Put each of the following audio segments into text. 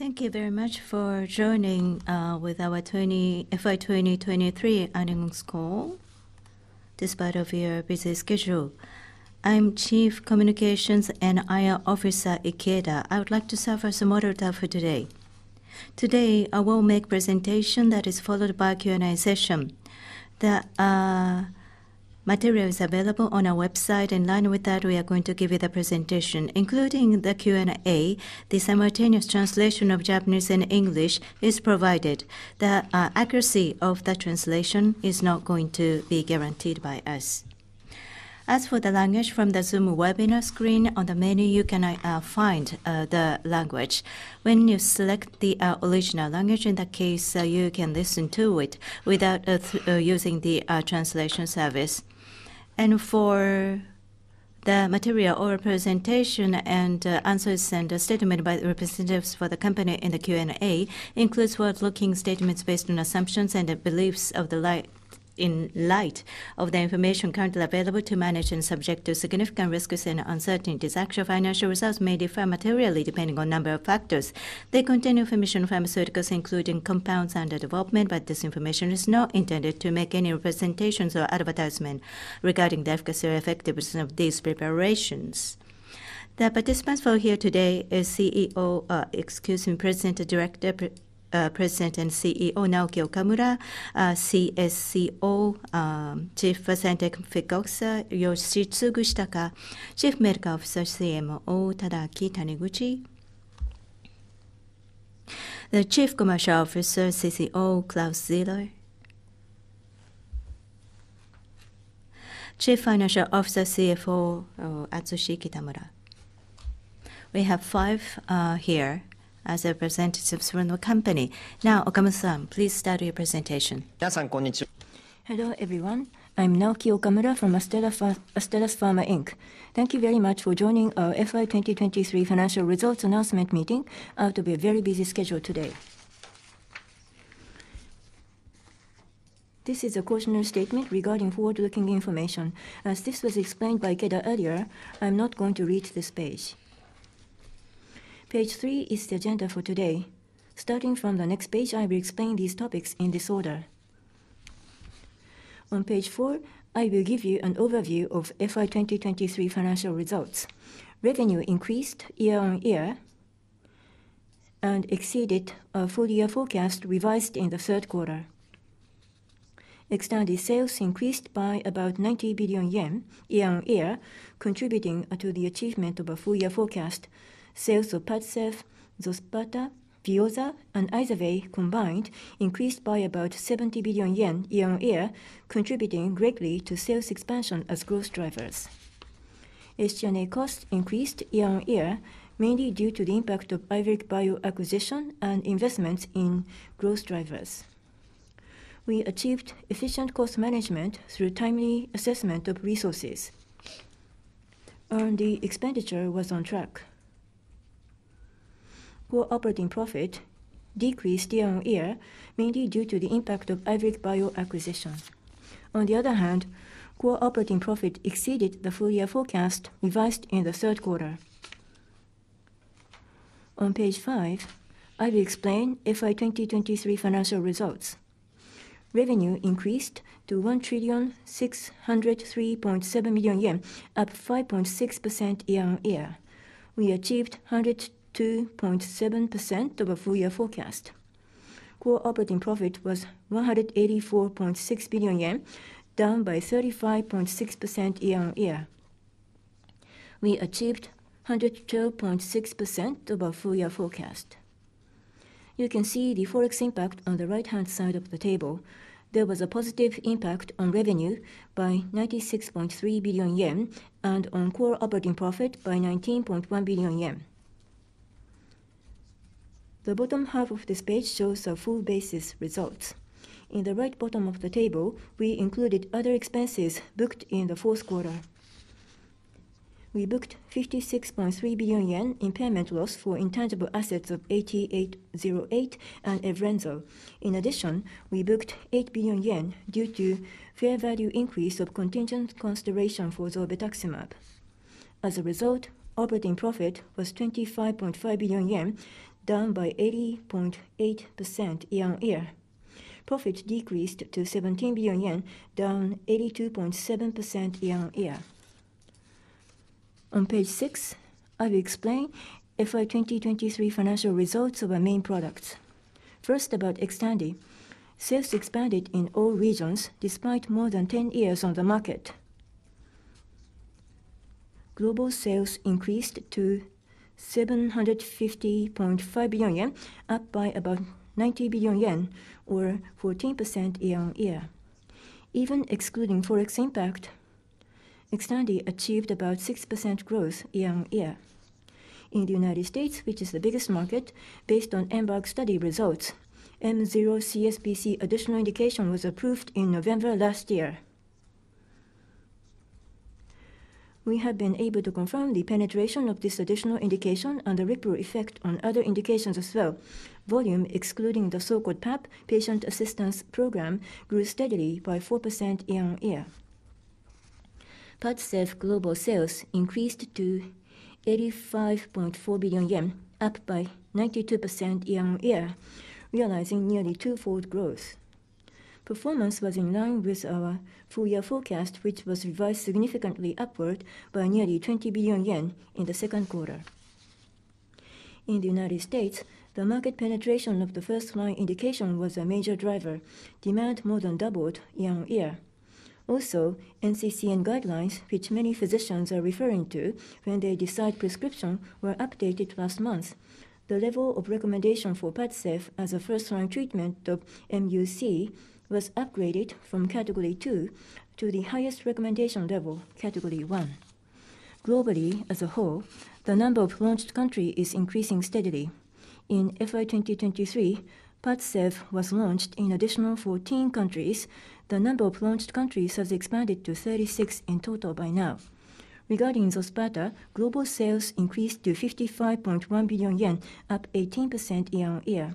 Thank you very much for joining with our 20, FY 2023 earnings call, despite of your busy schedule. I'm CYamaguchihief Communications and IR Officer Ikeda. I would like to serve as the moderator for today. Today, I will make presentation that is followed by Q&A session. The material is available on our website, and in line with that, we are going to give you the presentation, including the Q&A. The simultaneous translation of Japanese and English is provided. The accuracy of the translation is not going to be guaranteed by us. As for the language, from the Zoom webinar screen, on the menu, you can find the language. When you select the original language, in that case, you can listen to it without using the translation service. For the material or presentation, and answers, and statement by the representatives for the company in the Q&A, includes forward-looking statements based on assumptions and the beliefs in light of the information currently available to management, subject to significant risks and uncertainties. Actual financial results may differ materially depending on number of factors. They contain information on pharmaceuticals, including compounds under development, but this information is not intended to make any representations or advertisement regarding the efficacy or effectiveness of these preparations. The participants who are here today is CEO, excuse me, President and Director, President and CEO, Naoki Okamura, CSCO, Chief Scientific Officer, Yoshitsugu Shitaka, Chief Medical Officer, CMO, Tadaaki Taniguchi. The Chief Commercial Officer, CCO, Claus Zieler. Chief Financial Officer, CFO, Atsushi Kitamura. We have five here as representatives from the company. Now, Okamura-san, please start your presentation. Hello, everyone. I'm Naoki Okamura from Astellas Pharma Inc. Thank you very much for joining our FY 2023 financial results announcement meeting, out of a very busy schedule today. This is a cautionary statement regarding forward-looking information. As this was explained by Ikeda earlier, I'm not going to read this page. Page three is the agenda for today. Starting from the next page, I will explain these topics in this order. On page four, I will give you an overview of FY 2023 financial results. Revenue increased year-on-year and exceeded our full year forecast, revised in the third quarter. XTANDI sales increased by about 90 billion yen year-on-year, contributing to the achievement of a full year forecast. Sales of PADCEV, XOSPATA, VEOZAH, and IZERVAY combined, increased by about 70 billion yen year on year, contributing greatly to sales expansion as growth drivers. SG&A costs increased year on year, mainly due to the impact of IVERIC bio acquisition and investments in growth drivers. We achieved efficient cost management through timely assessment of resources, and the expenditure was on track. Core operating profit decreased year on year, mainly due to the impact of IVERIC bio acquisition. On the other hand, core operating profit exceeded the full year forecast revised in the third quarter. On page five, I will explain FY 2023 financial results. Revenue increased to 1,603.7 billion yen, up 5.6% year on year. We achieved 102.7% of our full year forecast. Core operating profit was 184.6 billion yen, down 35.6% year-on-year. We achieved 112.6% of our full year forecast. You can see the Forex impact on the right-hand side of the table. There was a positive impact on revenue by 96.3 billion yen, and on core operating profit by 19.1 billion yen. The bottom half of this page shows our full basis results. In the right bottom of the table, we included other expenses booked in the fourth quarter. We booked 56.3 billion yen impairment loss for intangible assets of AT-808 and Evrenzo. In addition, we booked 8 billion yen due to fair value increase of contingent consideration for zolbetuximab. As a result, operating profit was 25.5 billion yen, down by 80.8% year-over-year. Profit decreased to 17 billion yen, down 82.7% year-over-year. On page six, I will explain FY 2023 financial results of our main products. First, about XTANDI. Sales expanded in all regions, despite more than 10 years on the market. Global sales increased to 750.5 billion yen, up by about 90 billion yen, or 14% year-over-year. Even excluding Forex impact, XTANDI achieved about 6% growth year-over-year. In the United States, which is the biggest market, based on EMBARK study results, m0 CSPC additional indication was approved in November last year. We have been able to confirm the penetration of this additional indication and the ripple effect on other indications as well. Volume, excluding the so-called PAP, Patient Assistance Program, grew steadily by 4% year-on-year. PADCEV global sales increased to 85.4 billion yen, up by 92% year-on-year, realizing nearly twofold growth. Performance was in line with our full year forecast, which was revised significantly upward by nearly 20 billion yen in the second quarter. In the United States, the market penetration of the first-line indication was a major driver. Demand more than doubled year-on-year. Also, NCCN guidelines, which many physicians are referring to when they decide prescription, were updated last month. The level of recommendation for PADCEV as a first-line treatment of MUC, was upgraded from Category 2 to the highest recommendation level, Category 1. Globally, as a whole, the number of launched country is increasing steadily. In FY 2023, PADCEV was launched in additional 14 countries. The number of launched countries has expanded to 36 in total by now. Regarding XOSPATA, global sales increased to 55.1 billion yen, up 18% year-on-year.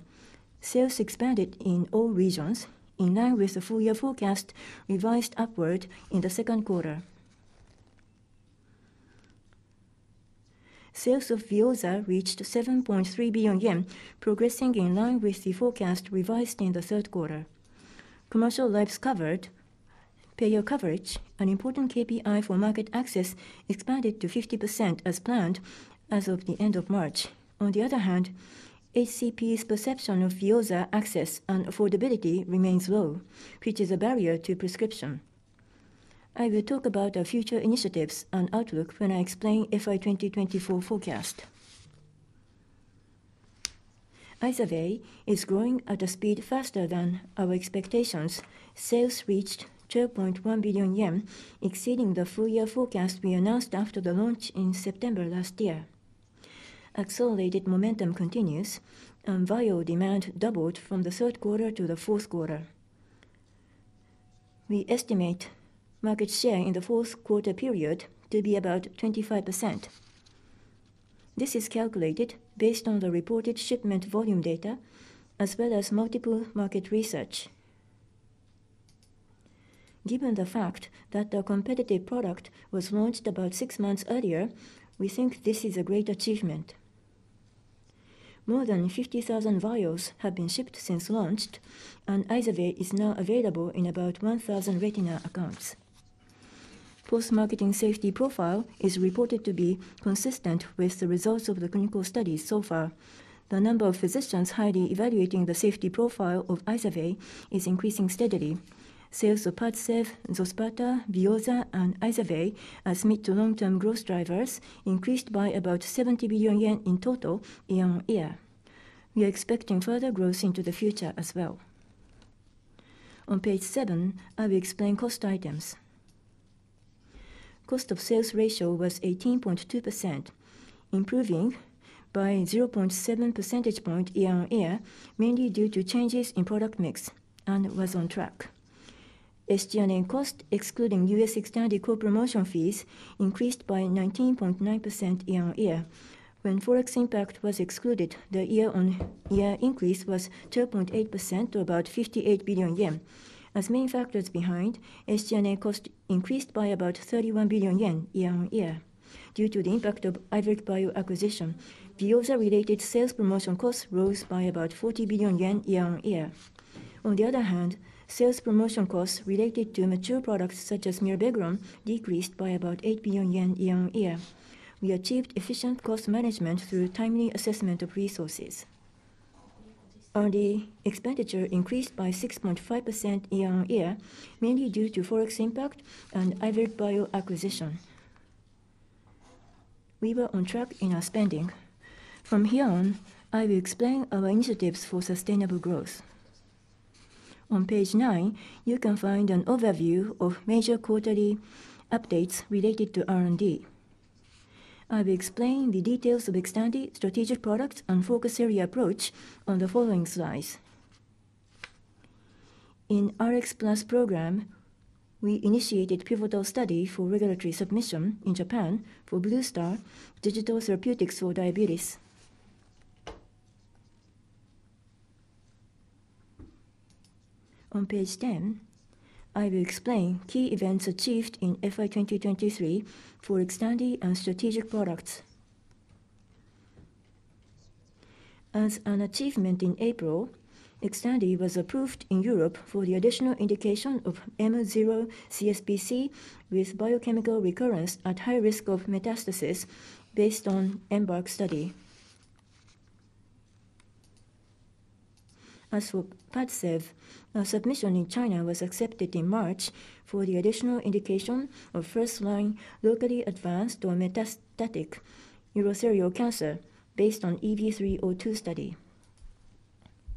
Sales expanded in all regions, in line with the full year forecast, revised upward in the second quarter. Sales of VEOZAH reached 7.3 billion yen, progressing in line with the forecast revised in the third quarter. Commercial lives covered, payer coverage, an important KPI for market access, expanded to 50% as planned as of the end of March. On the other hand, HCP's perception of VEOZAH access and affordability remains low, which is a barrier to prescription. I will talk about our future initiatives and outlook when I explain FY 2024 forecast. IZERVAY is growing at a speed faster than our expectations. Sales reached 2.1 billion yen, exceeding the full year forecast we announced after the launch in September last year. Accelerated momentum continues, and vial demand doubled from the third quarter to the fourth quarter. We estimate market share in the fourth quarter period to be about 25%. This is calculated based on the reported shipment volume data, as well as multiple market research. Given the fact that the competitive product was launched about six months earlier, we think this is a great achievement. More than 50,000 vials have been shipped since launched, and IZERVAY is now available in about 1,000 retina accounts. Post-marketing safety profile is reported to be consistent with the results of the clinical studies so far. The number of physicians highly evaluating the safety profile of IZERVAY is increasing steadily. Sales of PADCEV, XOSPATA, VEOZAH, and IZERVAY, as mid- to long-term growth drivers, increased by about 70 billion yen in total year-on-year. We are expecting further growth into the future as well. On page seven, I will explain cost items. Cost of sales ratio was 18.2%, improving by 0.7 percentage point year-on-year, mainly due to changes in product mix and was on track. SG&A cost, excluding US XTANDI co-promotion fees, increased by 19.9% year-on-year. When Forex impact was excluded, the year-on-year increase was 2.8%, or about 58 billion yen. As main factors behind, SG&A cost increased by about 31 billion yen year-on-year. Due to the impact of IVERIC bio acquisition, VEOZAH-related sales promotion costs rose by about 40 billion yen year-on-year. On the other hand, sales promotion costs related to mature products, such as Myrbetriq, decreased by about 8 billion yen year-on-year. We achieved efficient cost management through timely assessment of resources. R&D expenditure increased by 6.5% year-on-year, mainly due to Forex impact and IVERIC bio acquisition. We were on track in our spending. From here on, I will explain our initiatives for sustainable growth. On page 9, you can find an overview of major quarterly updates related to R&D. I will explain the details of XTANDI strategic product and focus area approach on the following slides. In Rx+ program, we initiated pivotal study for regulatory submission in Japan for Bluestar digital therapeutics for diabetes. On page 10, I will explain key events achieved in FY 2023 for XTANDI and strategic products. As an achievement in April, XTANDI was approved in Europe for the additional indication of m0 CSPC, with biochemical recurrence at high risk of metastasis based on EMBARK study. As for PADCEV, a submission in China was accepted in March for the additional indication of first-line locally advanced or metastatic urothelial cancer based on EV-302 study.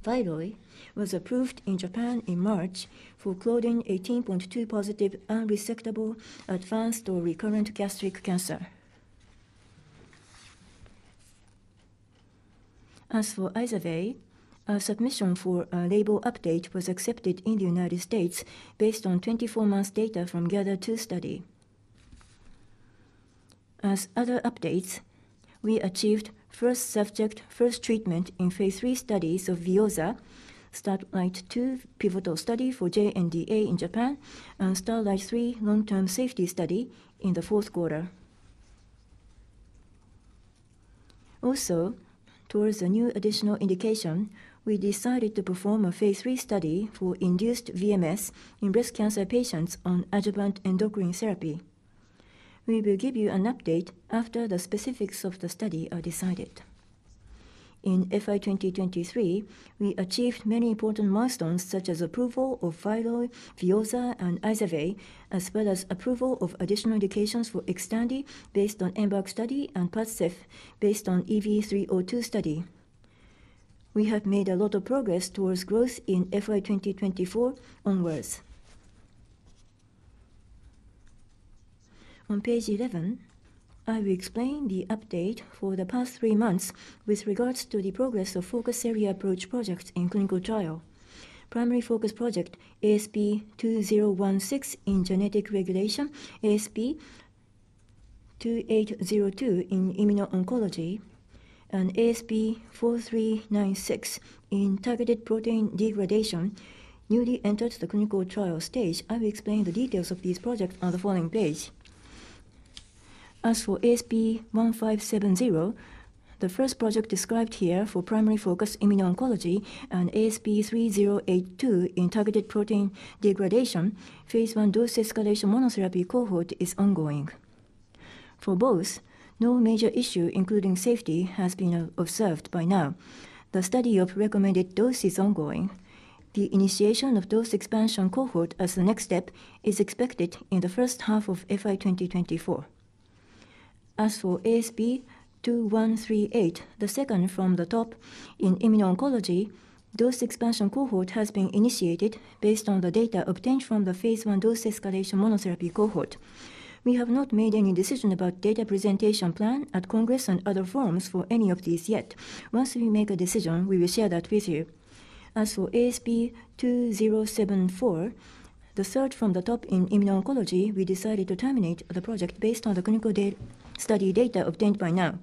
Finally, was approved in Japan in March for CLDN18.2 positive unresectable, advanced or recurrent gastric cancer. As for IZERVAY, a submission for a label update was accepted in the United States based on 24-month data from GATHER2 study. As other updates, we achieved first subject, first treatment in phase III studies of VEOZAH, Starlight-II pivotal study for JNDA in Japan, and Starlight-III long-term safety study in the fourth quarter. Also, towards a new additional indication, we decided to perform a phase III study for induced VMS in breast cancer patients on adjuvant endocrine therapy. We will give you an update after the specifics of the study are decided. In FY 2023, we achieved many important milestones, such as approval of VEOZAH, VYLOY, and IZERVAY, as well as approval of additional indications for XTANDI based on EMBARK study and PADCEV based on EV-302 study. We have made a lot of progress towards growth in FY 2024 onwards. On page 11, I will explain the update for the past three months with regards to the progress of Focus Area Approach projects in clinical trial. Primary Focus project ASP2016 in genetic regulation, ASP2802 in immuno-oncology, and ASP4396 in targeted protein degradation, newly entered the clinical trial stage. I will explain the details of these projects on the following page. As for ASP1570, the first project described here for Primary Focus immuno-oncology and ASP3082 in targeted protein degradation, phase I dose escalation monotherapy cohort is ongoing. For both, no major issue, including safety, has been observed by now. The study of recommended dose is ongoing. The initiation of dose expansion cohort as the next step is expected in the first half of FY2024. As for ASP2138, the second from the top in immuno-oncology, dose expansion cohort has been initiated based on the data obtained from the phase I dose escalation monotherapy cohort. We have not made any decision about data presentation plan at congress and other forums for any of these yet. Once we make a decision, we will share that with you. As for ASP2074, the third from the top in immuno-oncology, we decided to terminate the project based on the clinical study data obtained by now.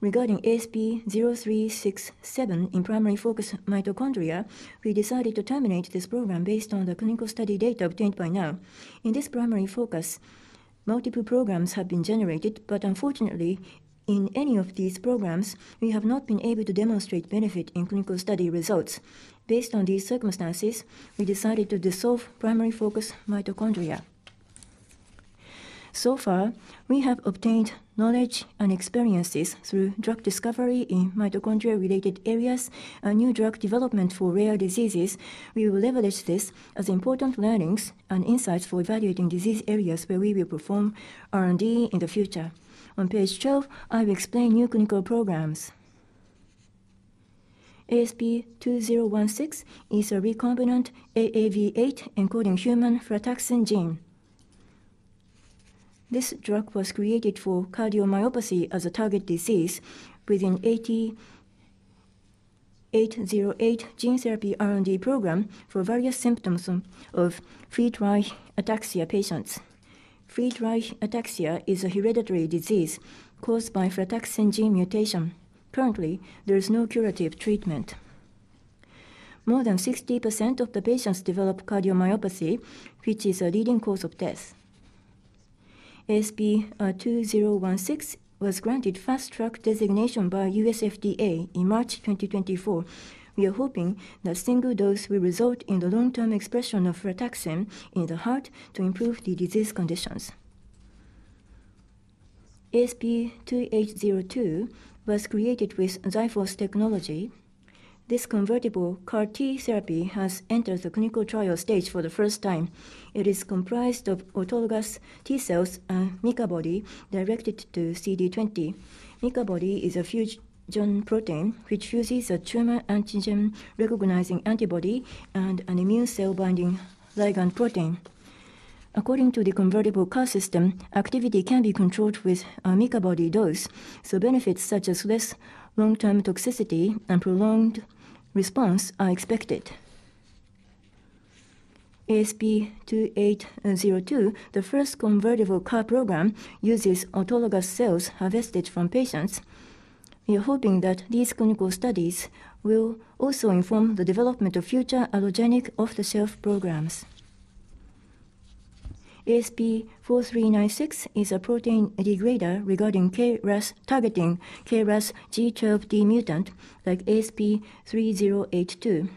Regarding ASP0367 in primary focus mitochondria, we decided to terminate this program based on the clinical study data obtained by now. In this primary focus, multiple programs have been generated, but unfortunately, in any of these programs, we have not been able to demonstrate benefit in clinical study results. Based on these circumstances, we decided to dissolve Primary Focus mitochondria. So far, we have obtained knowledge and experiences through drug discovery in mitochondria-related areas and new drug development for rare diseases. We will leverage this as important learnings and insights for evaluating disease areas where we will perform R&D in the future. On page 12, I will explain new clinical programs. ASP2016 is a recombinant AAV8 encoding human frataxin gene. This drug was created for cardiomyopathy as a target disease within 8808 gene therapy R&D program for various symptoms of Friedreich ataxia patients. Friedreich ataxia is a hereditary disease caused by frataxin gene mutation. Currently, there is no curative treatment. More than 60% of the patients develop cardiomyopathy, which is a leading cause of death. ASP2016 was granted Fast Track designation by U.S. FDA in March 2024. We are hoping that single dose will result in the long-term expression of frataxin in the heart to improve the disease conditions. ASP2802 was created with Xyphos technology. This convertible CAR-T therapy has entered the clinical trial stage for the first time. It is comprised of autologous T-cells and MiCA body directed to CD20. MiCA body is a fusion protein which fuses a tumor antigen-recognizing antibody and an immune cell binding ligand protein. According to the convertible CAR system, activity can be controlled with MiCA body dose, so benefits such as less long-term toxicity and prolonged response are expected. ASP2802, the first convertible CAR program, uses autologous cells harvested from patients. We are hoping that these clinical studies will also inform the development of future allogeneic off-the-shelf programs. ASP4396 is a protein degrader regarding KRAS, targeting KRAS G12D mutant, like ASP3082.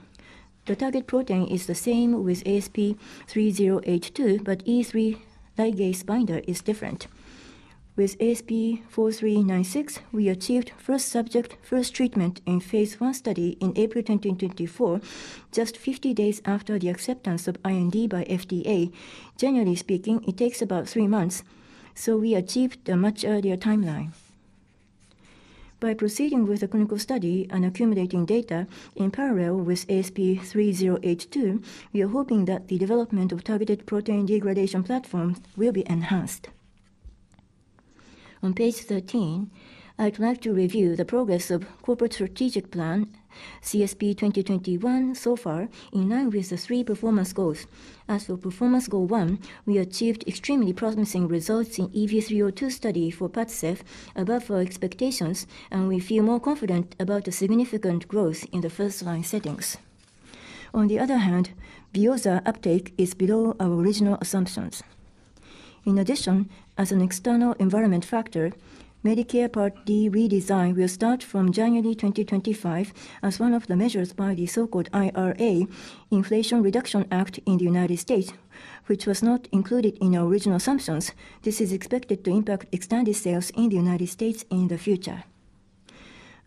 The target protein is the same with ASP3082, but E3 ligase binder is different. With ASP4396, we achieved first subject, first treatment in phase I study in April 2024, just 50 days after the acceptance of IND by FDA. Generally speaking, it takes about 3 months, so we achieved a much earlier timeline. By proceeding with the clinical study and accumulating data in parallel with ASP3082, we are hoping that the development of targeted protein degradation platform will be enhanced.... On page 13, I'd like to review the progress of corporate strategic plan CSP 2021 so far, in line with the three performance goals. As for performance goal one, we achieved extremely promising results in EV-302 study for PADCEV above our expectations, and we feel more confident about the significant growth in the first line settings. On the other hand, VEOZAH uptake is below our original assumptions. In addition, as an external environment factor, Medicare Part D redesign will start from January 2025 as one of the measures by the so-called IRA, Inflation Reduction Act in the United States, which was not included in our original assumptions. This is expected to impact XTANDI sales in the United States in the future.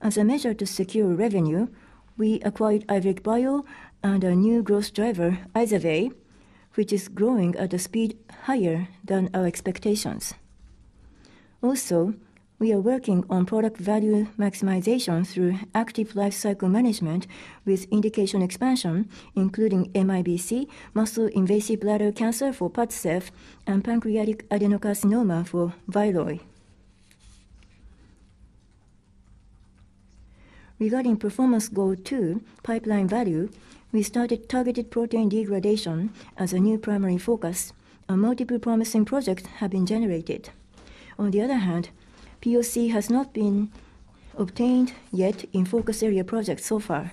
As a measure to secure revenue, we acquired IVERIC bio and a new growth driver, IZERVAY, which is growing at a speed higher than our expectations. Also, we are working on product value maximization through active life cycle management with indication expansion, including MIBC, muscle-invasive bladder cancer for PADCEV and pancreatic adenocarcinoma for VYLOY. Regarding performance goal 2, pipeline value, we started targeted protein degradation as a new primary focus, and multiple promising projects have been generated. On the other hand, POC has not been obtained yet in focus area projects so far.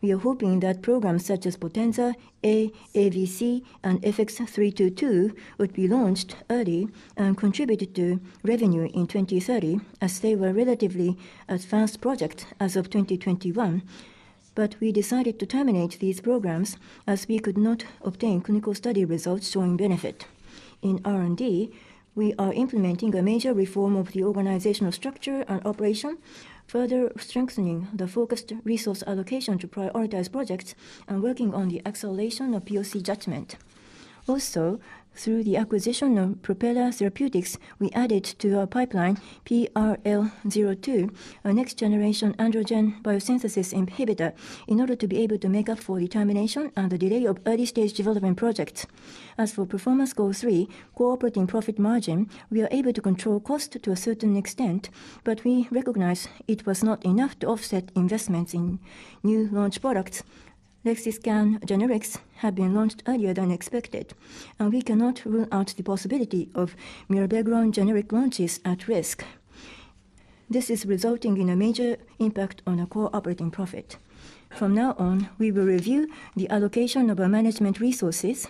We are hoping that programs such as Potenza A, AVC, and FX322 would be launched early and contributed to revenue in 2030, as they were relatively advanced project as of 2021. But we decided to terminate these programs as we could not obtain clinical study results showing benefit. In R&D, we are implementing a major reform of the organizational structure and operation, further strengthening the focused resource allocation to prioritize projects and working on the acceleration of POC judgment. Also, through the acquisition of Propeller Therapeutics, we added to our pipeline PRL-02, a next generation androgen biosynthesis inhibitor, in order to be able to make up for the termination and the delay of early stage development projects. As for performance goal 3, core operating profit margin, we are able to control cost to a certain extent, but we recognize it was not enough to offset investments in new launch products. Lexiscan generics have been launched earlier than expected, and we cannot rule out the possibility of mirabegron generic launches at risk. This is resulting in a major impact on our core operating profit. From now on, we will review the allocation of our management resources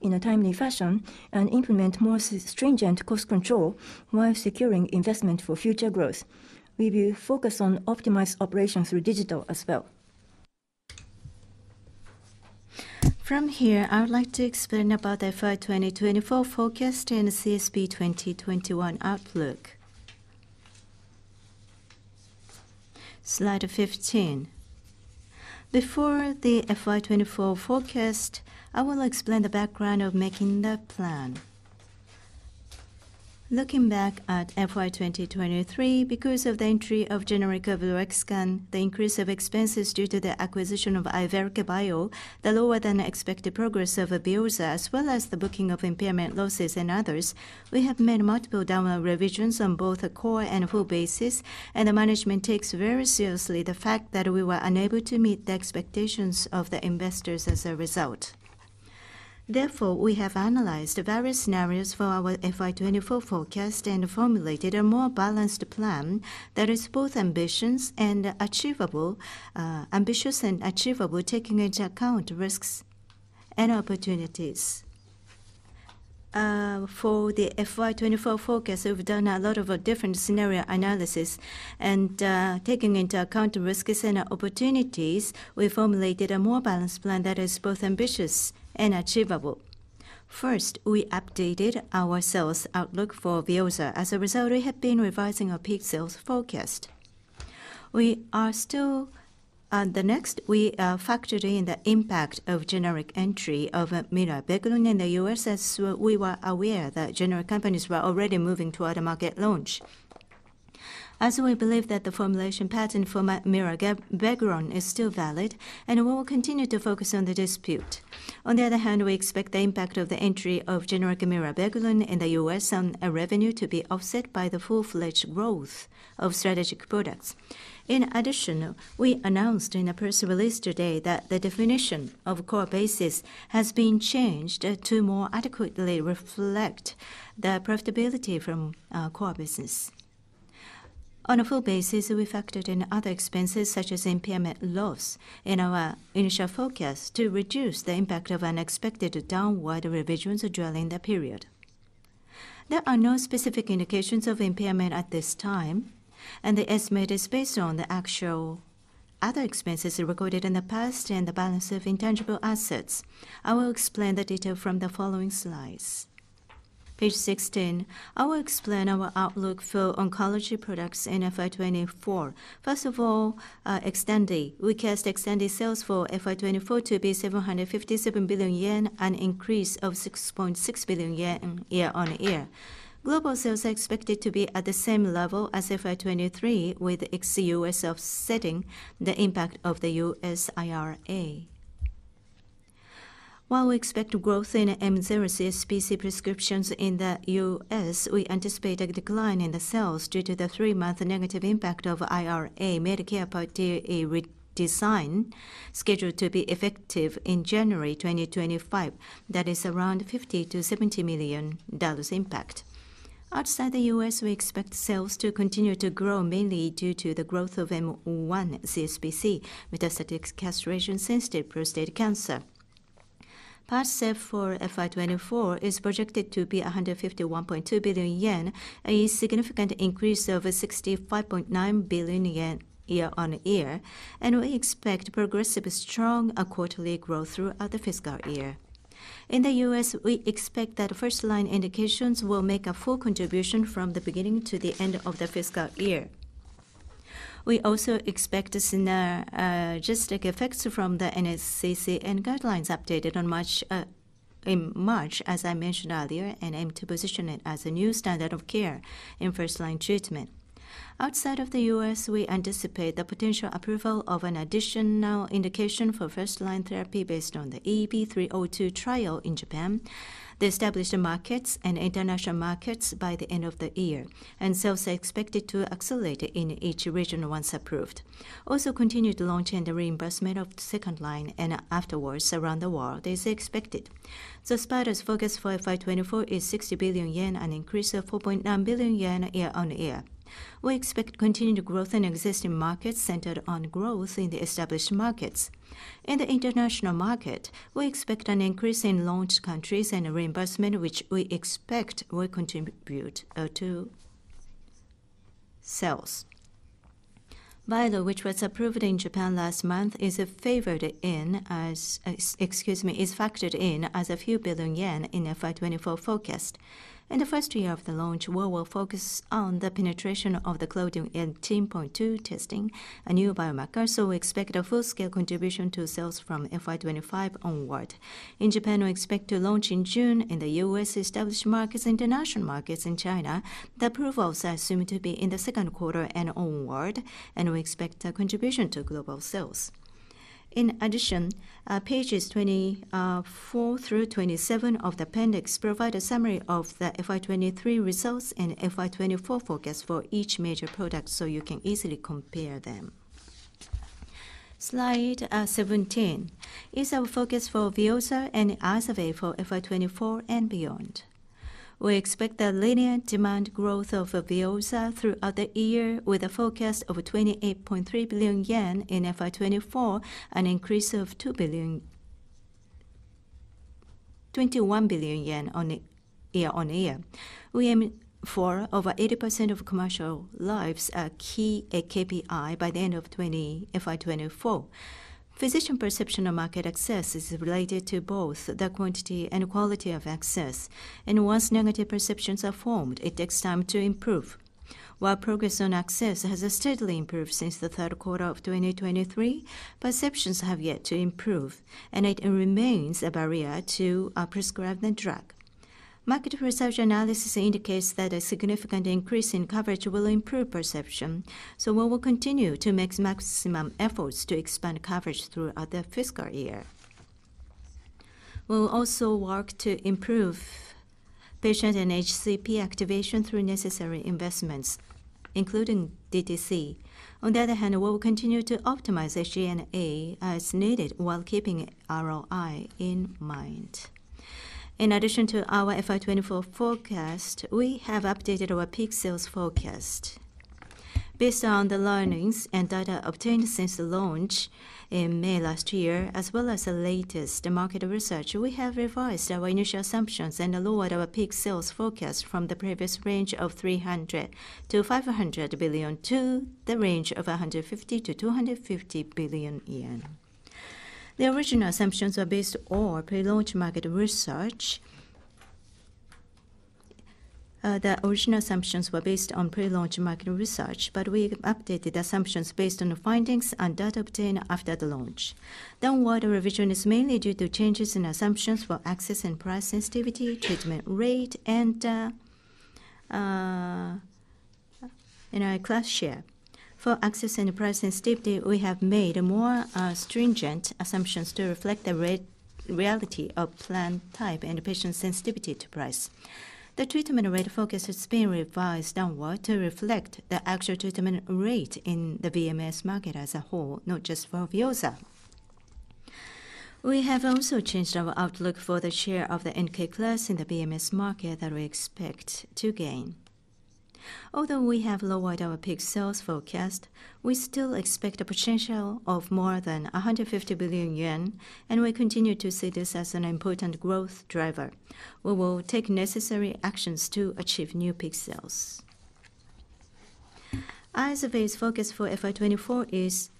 in a timely fashion and implement more stringent cost control while securing investment for future growth. We will focus on optimized operations through digital as well. From here, I would like to explain about the FY 2024 forecast and CSP 2021 outlook. Slide 15. Before the FY 2024 forecast, I will explain the background of making that plan. Looking back at FY 2023, because of the entry of generic Lexiscan, the increase of expenses due to the acquisition of IVERIC bio, the lower than expected progress of VEOZAH, as well as the booking of impairment losses and others, we have made multiple downward revisions on both a core and a full basis. The management takes very seriously the fact that we were unable to meet the expectations of the investors as a result. Therefore, we have analyzed various scenarios for our FY 2024 forecast and formulated a more balanced plan that is both ambitious and achievable, taking into account risks and opportunities. For the FY 2024 forecast, we've done a lot of different scenario analysis and, taking into account risks and opportunities, we formulated a more balanced plan that is both ambitious and achievable. First, we updated our sales outlook for VEOZAH. As a result, we have been revising our peak sales forecast. We are still... The next, we factored in the impact of generic entry of mirabegron in the U.S., as we were aware that generic companies were already moving toward a market launch. As we believe that the formulation patent for mirabegron is still valid, and we will continue to focus on the dispute. On the other hand, we expect the impact of the entry of generic mirabegron in the U.S. on our revenue to be offset by the full-fledged growth of strategic products. In addition, we announced in a press release today that the definition of core basis has been changed to more adequately reflect the profitability from our core business. On a full basis, we factored in other expenses, such as impairment loss, in our initial forecast to reduce the impact of unexpected downward revisions during the period. There are no specific indications of impairment at this time, and the estimate is based on the actual other expenses recorded in the past and the balance of intangible assets. I will explain the detail from the following slides. Page 16. I will explain our outlook for oncology products in FY 2024. First of all, XTANDI. We forecast XTANDI sales for FY 2024 to be 757 billion yen, an increase of 6.6 billion yen year-on-year. Global sales are expected to be at the same level as FY 2023, with ex-US offsetting the impact of the US IRA.... While we expect growth in M0 CSPC prescriptions in the US, we anticipate a decline in the sales due to the three-month negative impact of IRA Medicare Part D redesign, scheduled to be effective in January 2025. That is around $50-$70 million impact. Outside the US, we expect sales to continue to grow, mainly due to the growth of M1 CSPC, metastatic castration-sensitive prostate cancer. XTANDI for FY 2024 is projected to be 151.2 billion yen, a significant increase over 65.9 billion yen year-on-year, and we expect progressive strong quarterly growth throughout the fiscal year. In the US, we expect that first-line indications will make a full contribution from the beginning to the end of the fiscal year. We also expect to see, logistic effects from the NCCN guidelines updated on March, in March, as I mentioned earlier, and aim to position it as a new standard of care in first-line treatment. Outside of the US, we anticipate the potential approval of an additional indication for first-line therapy based on the EV-302 trial in Japan, the established markets and international markets by the end of the year, and sales are expected to accelerate in each region once approved. Also, continued launch and reimbursement of the second line and afterwards around the world is expected. XOSPATA's focus for FY 2024 is 60 billion yen, an increase of 4.9 billion yen year-on-year. We expect continued growth in existing markets, centered on growth in the established markets. In the international market, we expect an increase in launched countries and reimbursement, which we expect will contribute to sales. VYLOY, which was approved in Japan last month, is factored in as a few billion JPY in FY 2024 forecast. In the first year of the launch, we will focus on the penetration of the CLDN18.2 testing, a new biomarker, so we expect a full-scale contribution to sales from FY 2025 onward. In Japan, we expect to launch in June. In the US established markets, international markets in China, the approvals are assumed to be in the second quarter and onward, and we expect a contribution to global sales. In addition, pages 20, four through 27 of the appendix provide a summary of the FY 2023 results and FY 2024 forecast for each major product, so you can easily compare them. Slide 17 is our focus for VEOZAH and IZERVAY for FY 2024 and beyond. We expect a linear demand growth of VEOZAH throughout the year, with a forecast of 28.3 billion yen in FY 2024, an increase of 2 billion... 21 billion yen on a year-on-year. We aim for over 80% of commercial lives, a key, a KPI, by the end of FY 2024. Physician perception of market access is related to both the quantity and quality of access, and once negative perceptions are formed, it takes time to improve. While progress on access has steadily improved since the third quarter of 2023, perceptions have yet to improve, and it remains a barrier to prescribing the drug. Market research analysis indicates that a significant increase in coverage will improve perception, so we will continue to make maximum efforts to expand coverage throughout the fiscal year. We'll also work to improve patient and HCP activation through necessary investments, including DTC. On the other hand, we will continue to optimize HG and A as needed while keeping ROI in mind. In addition to our FY 2024 forecast, we have updated our peak sales forecast. Based on the learnings and data obtained since the launch in May last year, as well as the latest market research, we have revised our initial assumptions and lowered our peak sales forecast from the previous range of 300 billion-500 billion to the range of 150 billion-250 billion yen. The original assumptions were based on pre-launch market research. The original assumptions were based on pre-launch market research, but we updated the assumptions based on the findings and data obtained after the launch. Downward revision is mainly due to changes in assumptions for access and price sensitivity, treatment rate, and our class share. For access and price sensitivity, we have made more stringent assumptions to reflect the reality of plan type and patient sensitivity to price. The treatment rate focus has been revised downward to reflect the actual treatment rate in the VMS market as a whole, not just for VEOZAH. We have also changed our outlook for the share of the NK class in the VMS market that we expect to gain. Although we have lowered our peak sales forecast, we still expect a potential of more than JPY 150 billion, and we continue to see this as an important growth driver. We will take necessary actions to achieve new peak sales. IZERVAY's focus for FY 2024 is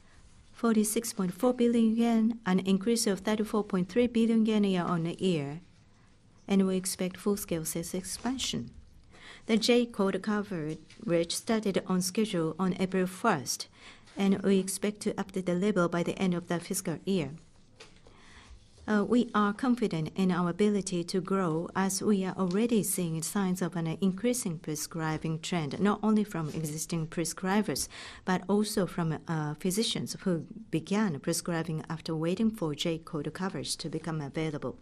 46.4 billion yen, an increase of 34.3 billion yen year-on-year, and we expect full-scale sales expansion. The J-code cover, which started on schedule on April 1, and we expect to update the label by the end of the fiscal year. We are confident in our ability to grow, as we are already seeing signs of an increasing prescribing trend, not only from existing prescribers, but also from physicians who began prescribing after waiting for J-code coverage to become available.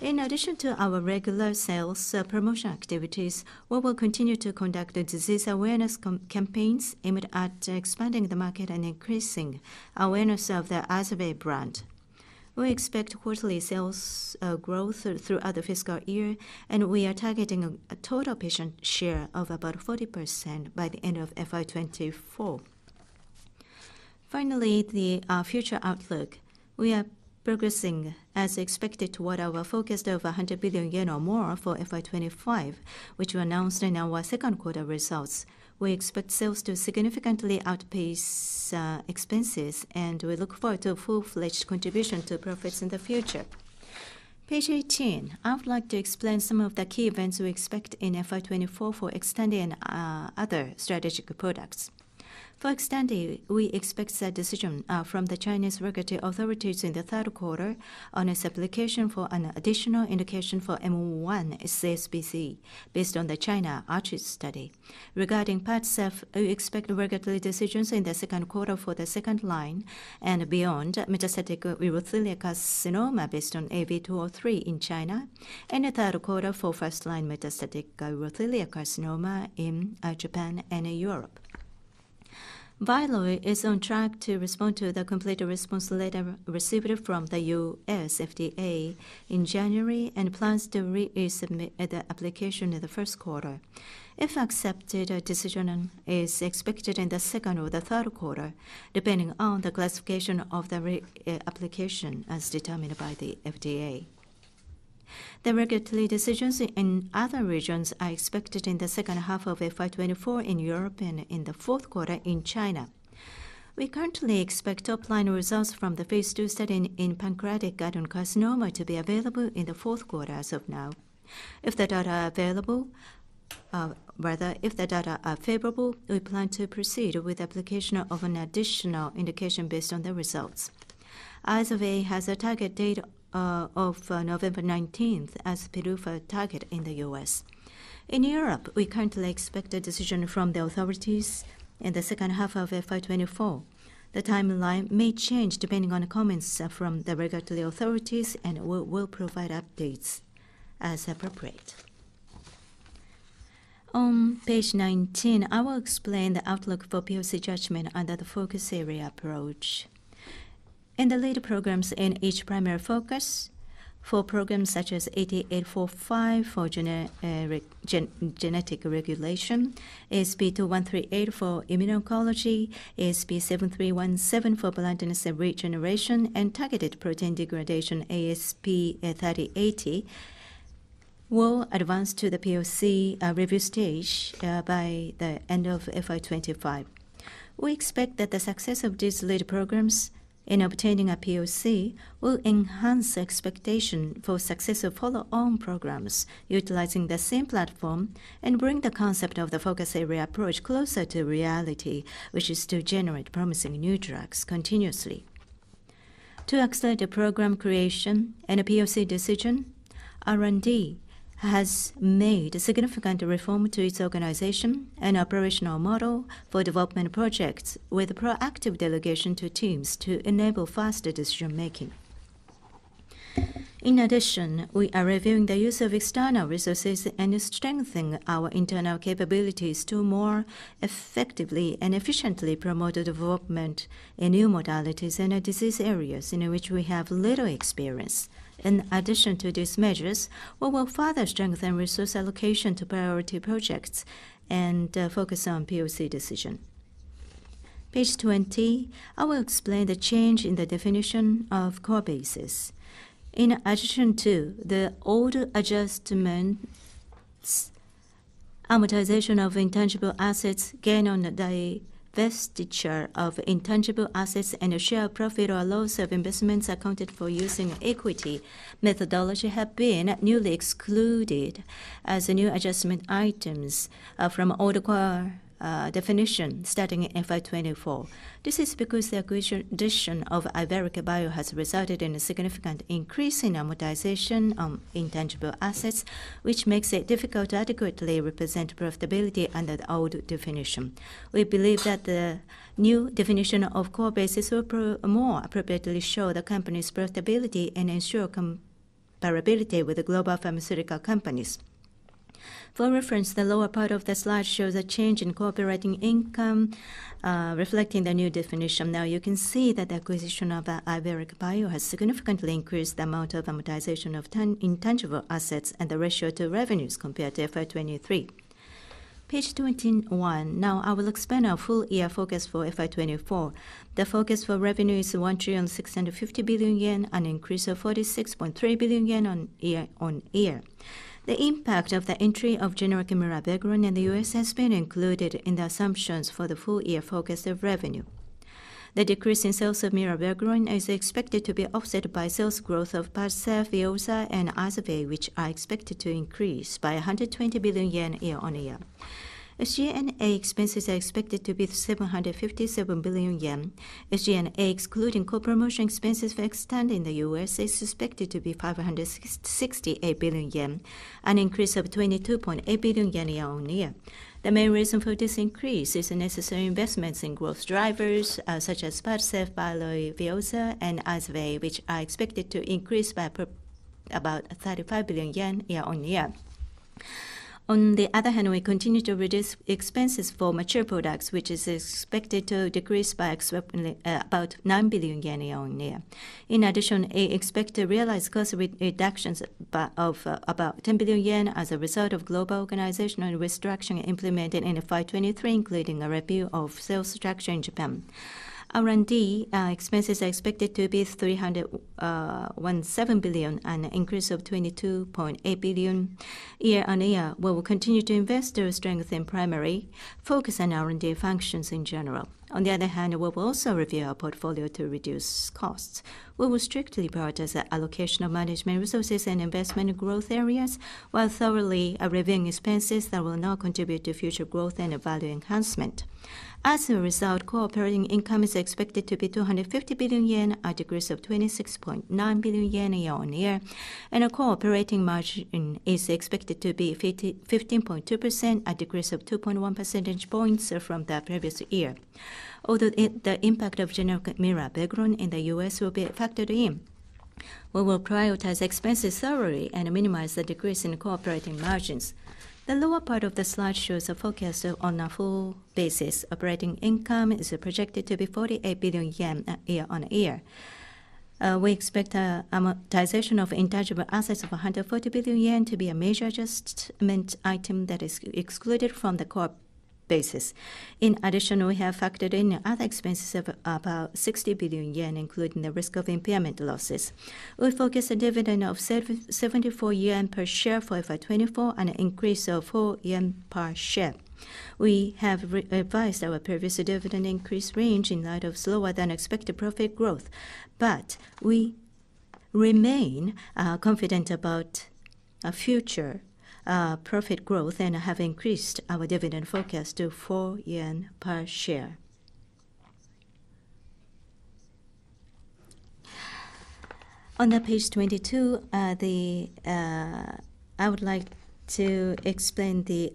In addition to our regular sales promotion activities, we will continue to conduct disease awareness campaigns aimed at expanding the market and increasing awareness of the IZERVAY brand. We expect quarterly sales growth throughout the fiscal year, and we are targeting a total patient share of about 40% by the end of FY 2024. Finally, the future outlook. We are progressing as expected toward our forecast of 100 billion yen or more for FY 2025, which we announced in our second quarter results. We expect sales to significantly outpace expenses, and we look forward to a full-fledged contribution to profits in the future. Page 18. I would like to explain some of the key events we expect in FY 2024 for XTANDI and other strategic products. For XTANDI, we expect a decision from the Chinese regulatory authorities in the third quarter on its application for an additional indication for M1 CSPC, based on the China ARCHES study. Regarding PADCEV, we expect regulatory decisions in the second quarter for the second-line and beyond metastatic urothelial carcinoma, based on EV-203 in China, and the third quarter for first-line metastatic urothelial carcinoma in Japan and Europe. VYLOY is on track to respond to the complete response letter received from the U.S. FDA in January, and plans to re-submit the application in the first quarter. If accepted, a decision is expected in the second or the third quarter, depending on the classification of the reapplication, as determined by the FDA. The regulatory decisions in other regions are expected in the second half of FY 2024 in Europe and in the fourth quarter in China. We currently expect top-line results from the phase 2 study in pancreatic adenocarcinoma to be available in the fourth quarter as of now. If the data are available... Rather, if the data are favorable, we plan to proceed with application of an additional indication based on the results. IZERVAY has a target date of November nineteenth as PDUFA target in the US. In Europe, we currently expect a decision from the authorities in the second half of FY 2024. The timeline may change depending on comments from the regulatory authorities, and we'll provide updates as appropriate. On page 19, I will explain the outlook for POC judgment under the focus area approach. In the lead programs in each primary focus, for programs such as AT845 for genetic regulation, ASP2138 for immuno-oncology, ASP7317 for blindness and regeneration, and targeted protein degradation, ASP3080, will advance to the POC review stage by the end of FY 2025. We expect that the success of these lead programs in obtaining a POC will enhance expectation for success of follow-on programs utilizing the same platform, and bring the concept of the focus area approach closer to reality, which is to generate promising new drugs continuously. To accelerate the program creation and a POC decision, R&D has made a significant reform to its organization and operational model for development projects, with proactive delegation to teams to enable faster decision-making. In addition, we are reviewing the use of external resources and strengthening our internal capabilities to more effectively and efficiently promote the development in new modalities and in disease areas in which we have little experience. In addition to these measures, we will further strengthen resource allocation to priority projects and focus on POC decision. Page 20, I will explain the change in the definition of core basis. In addition to the other adjustments, amortization of intangible assets, gain on the divestiture of intangible assets, and a share of profit or loss of investments accounted for using equity method, have been newly excluded as new adjustment items from other core definition starting in FY 2024. This is because the acquisition of Iveric Bio has resulted in a significant increase in amortization of intangible assets, which makes it difficult to adequately represent profitability under the old definition. We believe that the new definition of core basis will more appropriately show the company's profitability and ensure comparability with the global pharmaceutical companies. For reference, the lower part of the slide shows a change in core operating income, reflecting the new definition. Now, you can see that the acquisition of Iveric Bio has significantly increased the amount of amortization of intangible assets and the ratio to revenues compared to FY 2023. Page 21. Now, I will explain our full year forecast for FY 2024. The forecast for revenue is 1.65 trillion, an increase of 46.3 billion yen year-on-year. The impact of the entry of generic mirabegron in the US has been included in the assumptions for the full year forecast of revenue. The decrease in sales of mirabegron is expected to be offset by sales growth of PADCEV, VEOZAH, and IZERVAY, which are expected to increase by 120 billion yen year-on-year. GC&A expenses are expected to be 757 billion yen. GC&A, excluding co-promotion expenses for XTANDI in the US, is expected to be 568 billion yen, an increase of 22.8 billion yen year-on-year. The main reason for this increase is the necessary investments in growth drivers, such as PADCEV, VYLOY, VEOZAH, and IZERVAY, which are expected to increase by about 35 billion yen year-on-year. On the other hand, we continue to reduce expenses for mature products, which is expected to decrease by about 9 billion yen year on year. In addition, I expect to realize cost reductions of about 10 billion yen as a result of global organizational restructure implemented in FY 2023, including a review of sales structure in Japan. R&D expenses are expected to be 317 billion, an increase of 22.8 billion year on year. We will continue to invest to strengthen primary focus on R&D functions in general. On the other hand, we will also review our portfolio to reduce costs. We will strictly prioritize the allocation of management resources and investment in growth areas, while thoroughly reviewing expenses that will now contribute to future growth and value enhancement. As a result, core operating income is expected to be 250 billion yen, a decrease of 26.9 billion yen year-on-year, and a core operating margin is expected to be 15.2%, a decrease of 2.1 percentage points from the previous year. Although the impact of generic mirabegron in the U.S. will be factored in, we will prioritize expenses thoroughly and minimize the decrease in core operating margins. The lower part of the slide shows a forecast on a full basis. Operating income is projected to be 48 billion yen year-on-year. We expect amortization of intangible assets of 140 billion yen to be a major adjustment item that is excluded from the core basis. In addition, we have factored in other expenses of about 60 billion yen, including the risk of impairment losses. We forecast a dividend of 774 yen per share for FY 2024, an increase of 4 yen per share. We have revised our previous dividend increase range in light of slower than expected profit growth, but we remain confident about our future profit growth, and have increased our dividend forecast to 4 yen per share. On page 22, I would like to explain the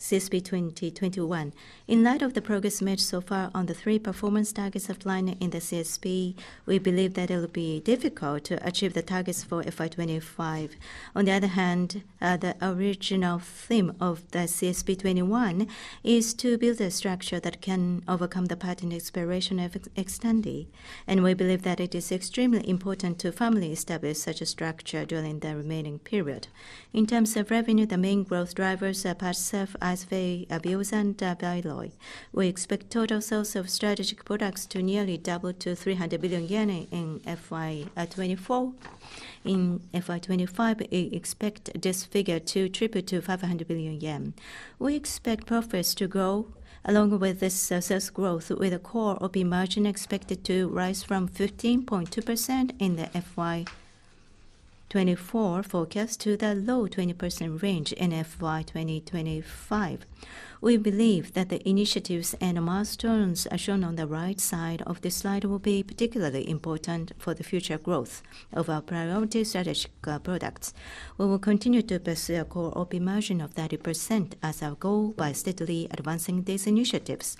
CSP 2021. In light of the progress made so far on the three performance targets outlined in the CSP, we believe that it'll be difficult to achieve the targets for FY 2025. On the other hand, the original theme of the CSP 2021 is to build a structure that can overcome the patent expiration of XTANDI, and we believe that it is extremely important to firmly establish such a structure during the remaining period. In terms of revenue, the main growth drivers are PADCEV, IZERVAY, VEOZAH, and VYLOY. We expect total sales of strategic products to nearly double to 300 billion yen in FY 2024. In FY 2025, we expect this figure to triple to 500 billion yen. We expect profits to grow along with this sales growth, with a core OP margin expected to rise from 15.2% in the FY 2024 forecast to the low 20% range in FY 2025. We believe that the initiatives and milestones, as shown on the right side of this slide, will be particularly important for the future growth of our priority strategic products. We will continue to pursue a core OP margin of 30% as our goal by steadily advancing these initiatives.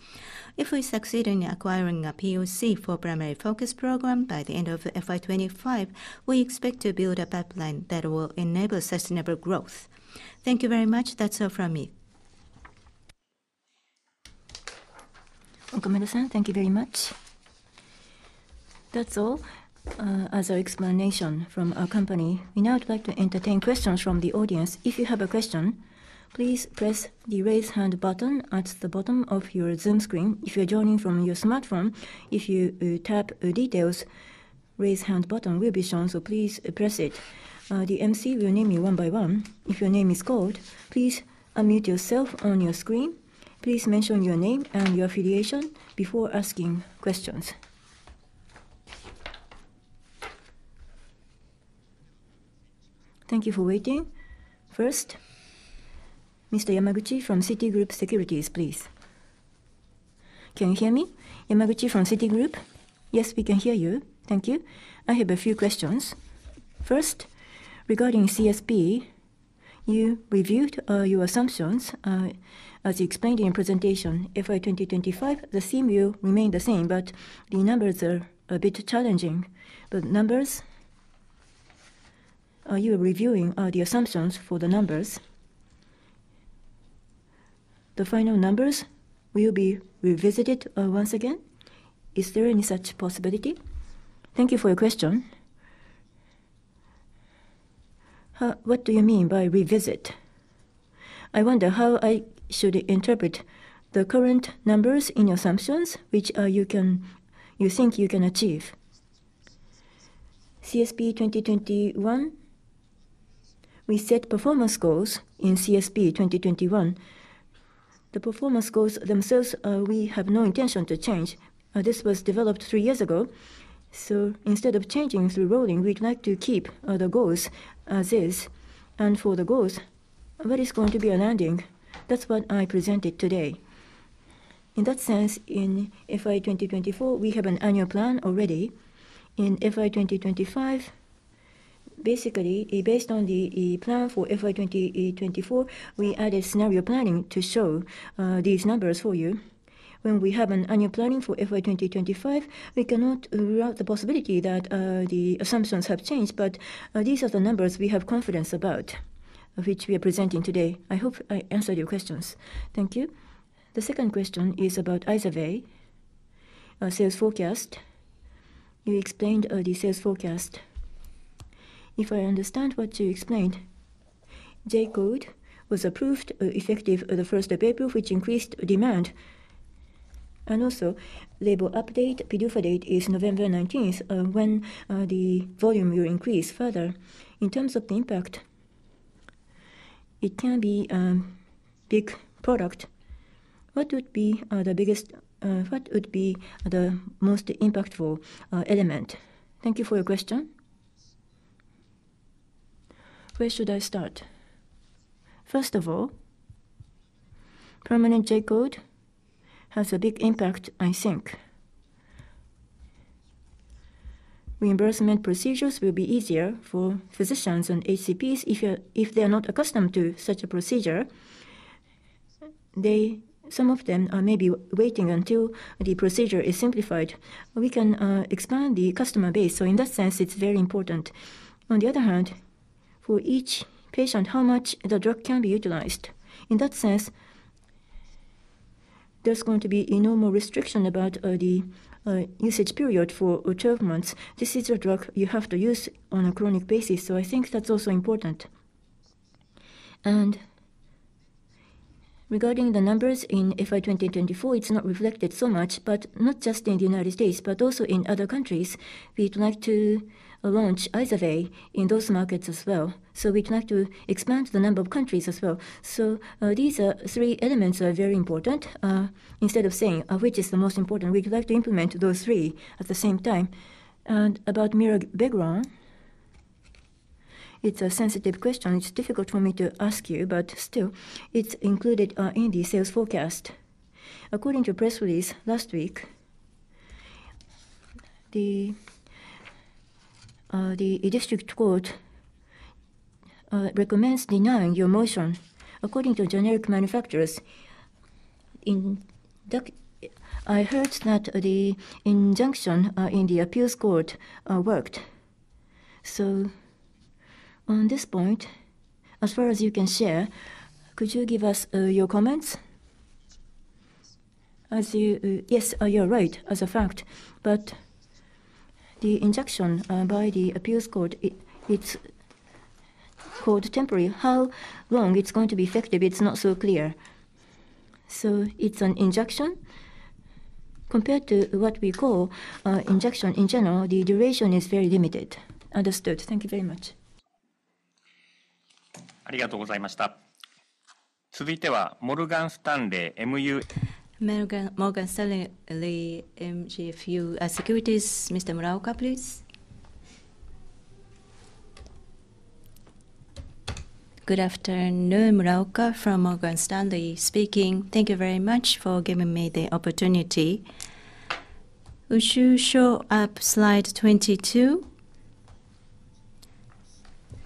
If we succeed in acquiring a POC for Primary Focus program by the end of FY 25, we expect to build a pipeline that will enable sustainable growth. Thank you very much. That's all from me. Thank you very much. That's all, as an explanation from our company. We now would like to entertain questions from the audience. If you have a question, please press the Raise Hand button at the bottom of your Zoom screen. If you are joining from your smartphone, if you tap Details, Raise Hand button will be shown, so please press it. The MC will name you one by one. If your name is called, please unmute yourself on your screen. Please mention your name and your affiliation before asking questions. Thank you for waiting. First, Mr. Yamaguchi from Citigroup Securities, please. Can you hear me? Yamaguchi from Citigroup. Yes, we can hear you. Thank you. I have a few questions. First, regarding CSP, you reviewed your assumptions, as you explained in your presentation, FY 2025, the same view remained the same, but the numbers are a bit challenging. The numbers... Are you reviewing the assumptions for the numbers? The final numbers will be revisited once again. Is there any such possibility? Thank you for your question. What do you mean by revisit? I wonder how I should interpret the current numbers in your assumptions, which you can, you think you can achieve. CSP 2021, we set performance goals in CSP 2021. The performance goals themselves, we have no intention to change. This was developed three years ago, so instead of changing through rolling, we'd like to keep the goals as is. And for the goals, what is going to be a landing? That's what I presented today. In that sense, in FY 2024, we have an annual plan already. In FY 2025, basically, based on the plan for FY 2024, we added scenario planning to show these numbers for you. When we have an annual planning for FY 2025, we cannot rule out the possibility that the assumptions have changed, but these are the numbers we have confidence about, which we are presenting today. I hope I answered your questions. Thank you. The second question is about IZERVAY sales forecast. You explained the sales forecast. If I understand what you explained, J-code was approved effective the first of April, which increased demand. And also, label update, PDUFA date is November nineteenth, when the volume will increase further. In terms of the impact, it can be big product. What would be the biggest... What would be the most impactful element? Thank you for your question. Where should I start? First of all, permanent J-code has a big impact, I think. Reimbursement procedures will be easier for physicians and HCPs. If, if they are not accustomed to such a procedure, they. Some of them are maybe waiting until the procedure is simplified. We can expand the customer base, so in that sense, it's very important. On the other hand, for each patient, how much the drug can be utilized? In that sense, there's going to be a normal restriction about the usage period for 12 months. This is a drug you have to use on a chronic basis, so I think that's also important. And regarding the numbers in FY 2024, it's not reflected so much, but not just in the United States, but also in other countries. We'd like to launch IZERVAY in those markets as well. So we'd like to expand the number of countries as well. So, these are three elements that are very important. Instead of saying, which is the most important, we'd like to implement those three at the same time. And about mirabegron, it's a sensitive question. It's difficult for me to ask you, but still, it's included in the sales forecast. According to a press release last week, the district court recommends denying your motion. According to generic manufacturers, I heard that the injunction in the appeals court worked. So on this point, as far as you can share, could you give us your comments? As you... Yes, you're right as a fact, but the injunction by the appeals court, it's called temporary. How long it's going to be effective, it's not so clear. So it's an injunction. Compared to what we call, injunction in general, the duration is very limited. Understood. Thank you very much. Morgan, Morgan Stanley MUFG Securities, Mr. Muraoka, please. Good afternoon, Muraoka from Morgan Stanley speaking. Thank you very much for giving me the opportunity. Also, show us slide 22.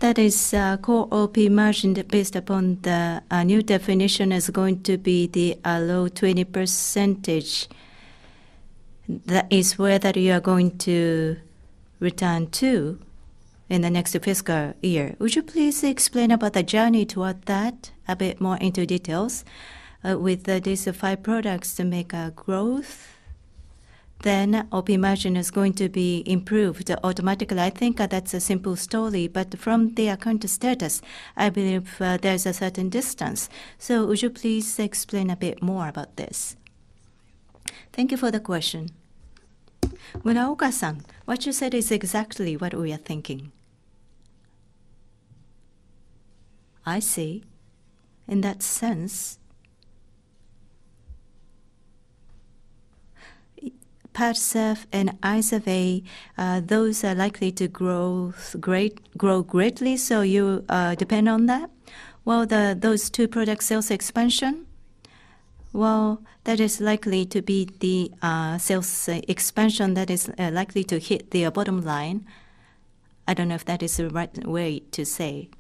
That is, core OP margin based upon the new definition is going to be the low 20%. That is where that you are going to return to in the next fiscal year. Would you please explain about the journey toward that a bit more into details? With these five products to make a growth, then OP margin is going to be improved automatically. I think that's a simple story, but from the current status, I believe, there's a certain distance. So would you please explain a bit more about this? Thank you for the question. Muraoka-san, what you said is exactly what we are thinking. I see. In that sense, PADCEV and IZERVAY, those are likely to grow great, grow greatly, so you depend on that? Well, the, those two product sales expansion, well, that is likely to be the sales expansion that is likely to hit the bottom line. I don't know if that is the right way to say.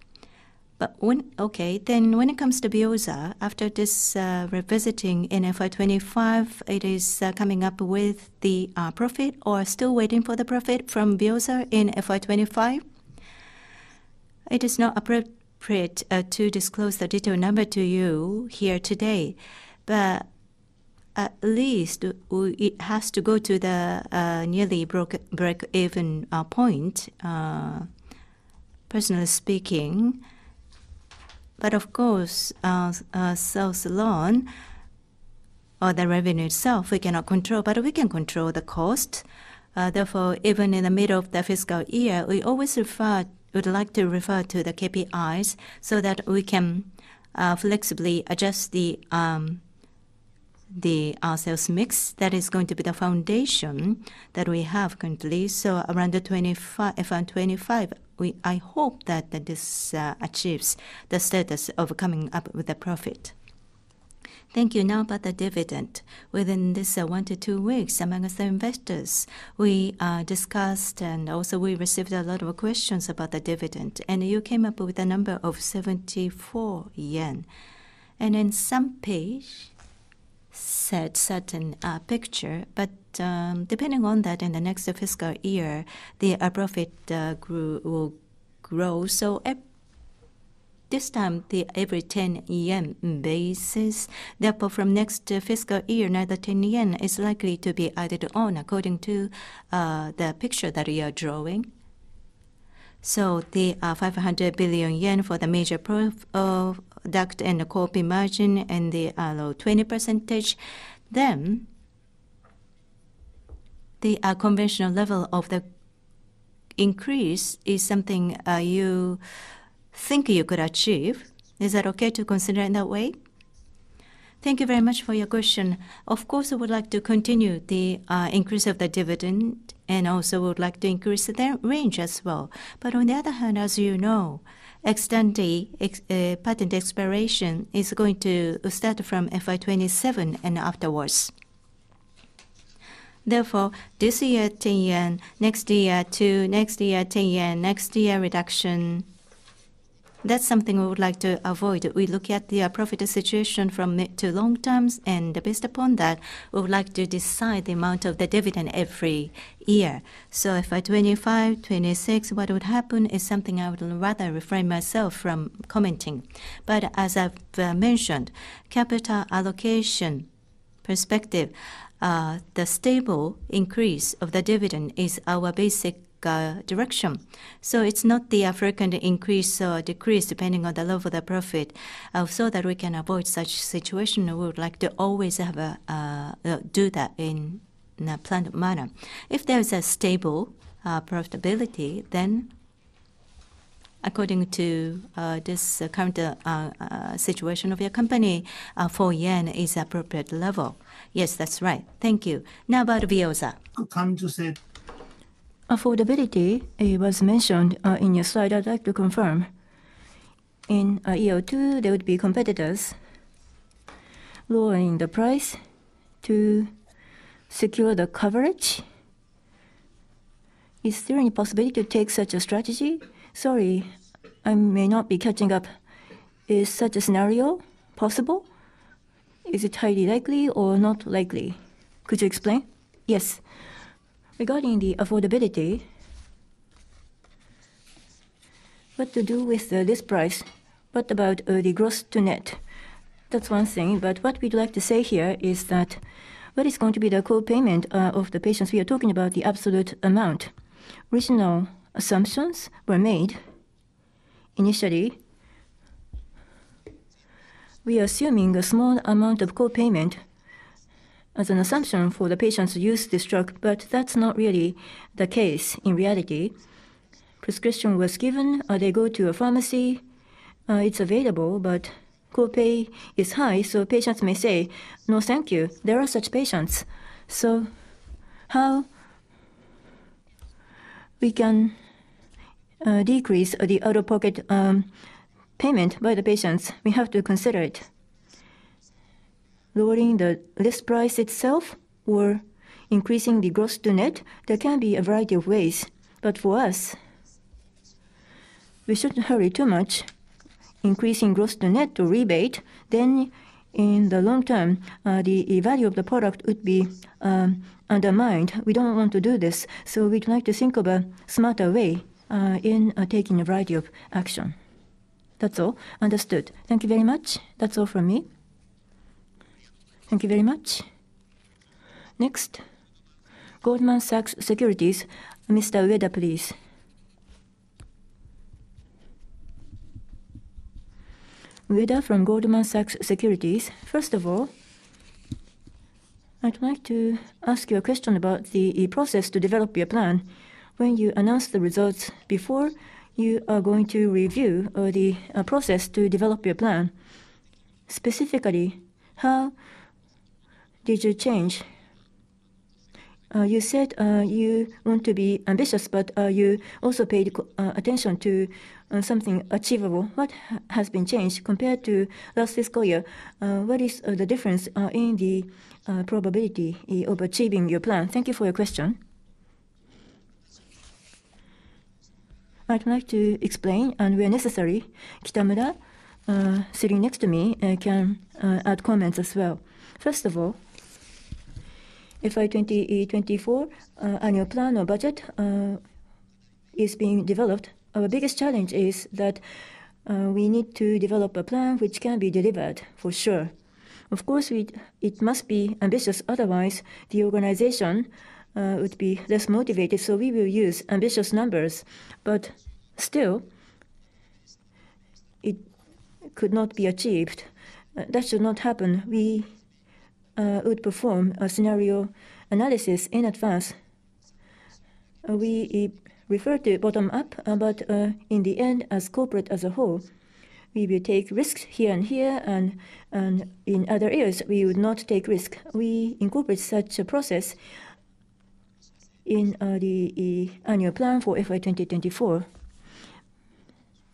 But when. Okay, then when it comes to VEOZAH, after this, revisiting in FY 2025, it is coming up with the profit or still waiting for the profit from VEOZAH in FY 2025? It is not appropriate to disclose the detailed number to you here today, but at least, it has to go to the nearly break-even point personally speaking, but of course, our sales alone or the revenue itself, we cannot control, but we can control the cost. Therefore, even in the middle of the fiscal year, we always refer, we'd like to refer to the KPIs so that we can flexibly adjust the our sales mix. That is going to be the foundation that we have currently. So around FY 2025, we I hope that this achieves the status of coming up with a profit. Thank you. Now, about the dividend. Within this 1-2 weeks, among the investors, we discussed and also we received a lot of questions about the dividend, and you came up with a number of 74 yen. And in some page, said certain picture, but, depending on that, in the next fiscal year, the profit will grow. So at this time, the every 10 yen basis, therefore, from next fiscal year, another 10 yen is likely to be added on, according to the picture that you are drawing. So the 500 billion yen for the major proof duct and the co-pay margin and the low 20%, then the conventional level of the increase is something you think you could achieve. Is that okay to consider in that way? Thank you very much for your question. Of course, we would like to continue the increase of the dividend, and also we would like to increase the range as well. But on the other hand, as you know, extending patent expiration is going to start from FY 2027 and afterwards. Therefore, this year 10 yen, next year 20, next year 10 yen, next year reduction. That's something we would like to avoid. We look at the profit situation from mid to long terms, and based upon that, we would like to decide the amount of the dividend every year. So FY 2025, 2026, what would happen is something I would rather refrain myself from commenting. But as I've mentioned, capital allocation perspective, the stable increase of the dividend is our basic direction. So it's not a fraction increase or decrease depending on the level of the profit. So that we can avoid such situation, we would like to always have to do that in a planned manner. If there's a stable profitability, then according to this current situation of your company, JPY 4 is appropriate level. Yes, that's right. Thank you. Now, about VEOZAH. Come to say. Affordability, it was mentioned, in your slide. I'd like to confirm. In, year two, there would be competitors lowering the price to secure the coverage. Is there any possibility to take such a strategy? Sorry, I may not be catching up. Is such a scenario possible? Is it highly likely or not likely? Could you explain? Yes. Regarding the affordability, what to do with this price, what about the gross to net? That's one thing, but what we'd like to say here is that, what is going to be the co-payment of the patients? We are talking about the absolute amount. Original assumptions were made. Initially, we are assuming a small amount of co-payment as an assumption for the patients who use this drug, but that's not really the case in reality. Prescription was given, they go to a pharmacy, it's available, but co-pay is high, so patients may say: "No, thank you." There are such patients. So how we can decrease the out-of-pocket payment by the patients? We have to consider it. Lowering the list price itself or increasing the gross to net, there can be a variety of ways, but for us, we shouldn't hurry too much. Increasing gross to net to rebate, then in the long term, the value of the product would be undermined. We don't want to do this, so we'd like to think of a smarter way, in taking a variety of action. That's all. Understood. Thank you very much. That's all from me. Thank you very much. Next, Goldman Sachs Securities, Mr. Ueda, please. Ueda from Goldman Sachs Securities. First of all, I'd like to ask you a question about the process to develop your plan. When you announce the results before you are going to review the process to develop your plan, specifically, how did you change? You said you want to be ambitious, but you also paid attention to something achievable. What has been changed compared to last fiscal year? What is the difference in the probability of achieving your plan? Thank you for your question. I'd like to explain, and where necessary, Kitamura sitting next to me can add comments as well. First of all, FY 2024 annual plan or budget is being developed. Our biggest challenge is that we need to develop a plan which can be delivered for sure. Of course, it must be ambitious; otherwise, the organization would be less motivated. So we will use ambitious numbers, but still it could not be achieved. That should not happen. We would perform a scenario analysis in advance. We refer to bottom up, but in the end, as corporate as a whole, we will take risks here and here, and in other areas, we would not take risk. We incorporate such a process in the annual plan for FY 2024.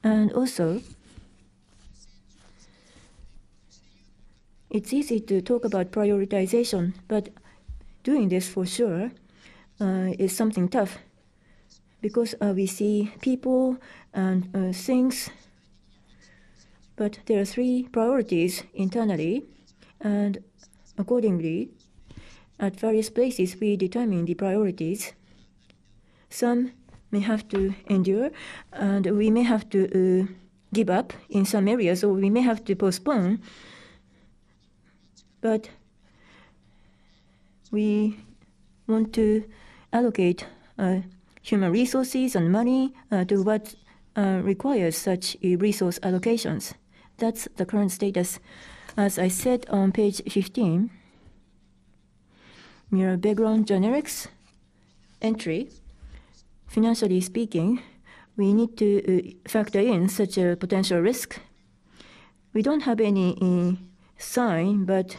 And also, it's easy to talk about prioritization, but doing this for sure is something tough because we see people and things, but there are three priorities internally, and accordingly, at various places, we determine the priorities. Some may have to endure, and we may have to give up in some areas, or we may have to postpone. But we want to allocate human resources and money to what requires such resource allocations. That's the current status. As I said on page 15, near background generics entry, financially speaking, we need to factor in such a potential risk. We don't have any sign, but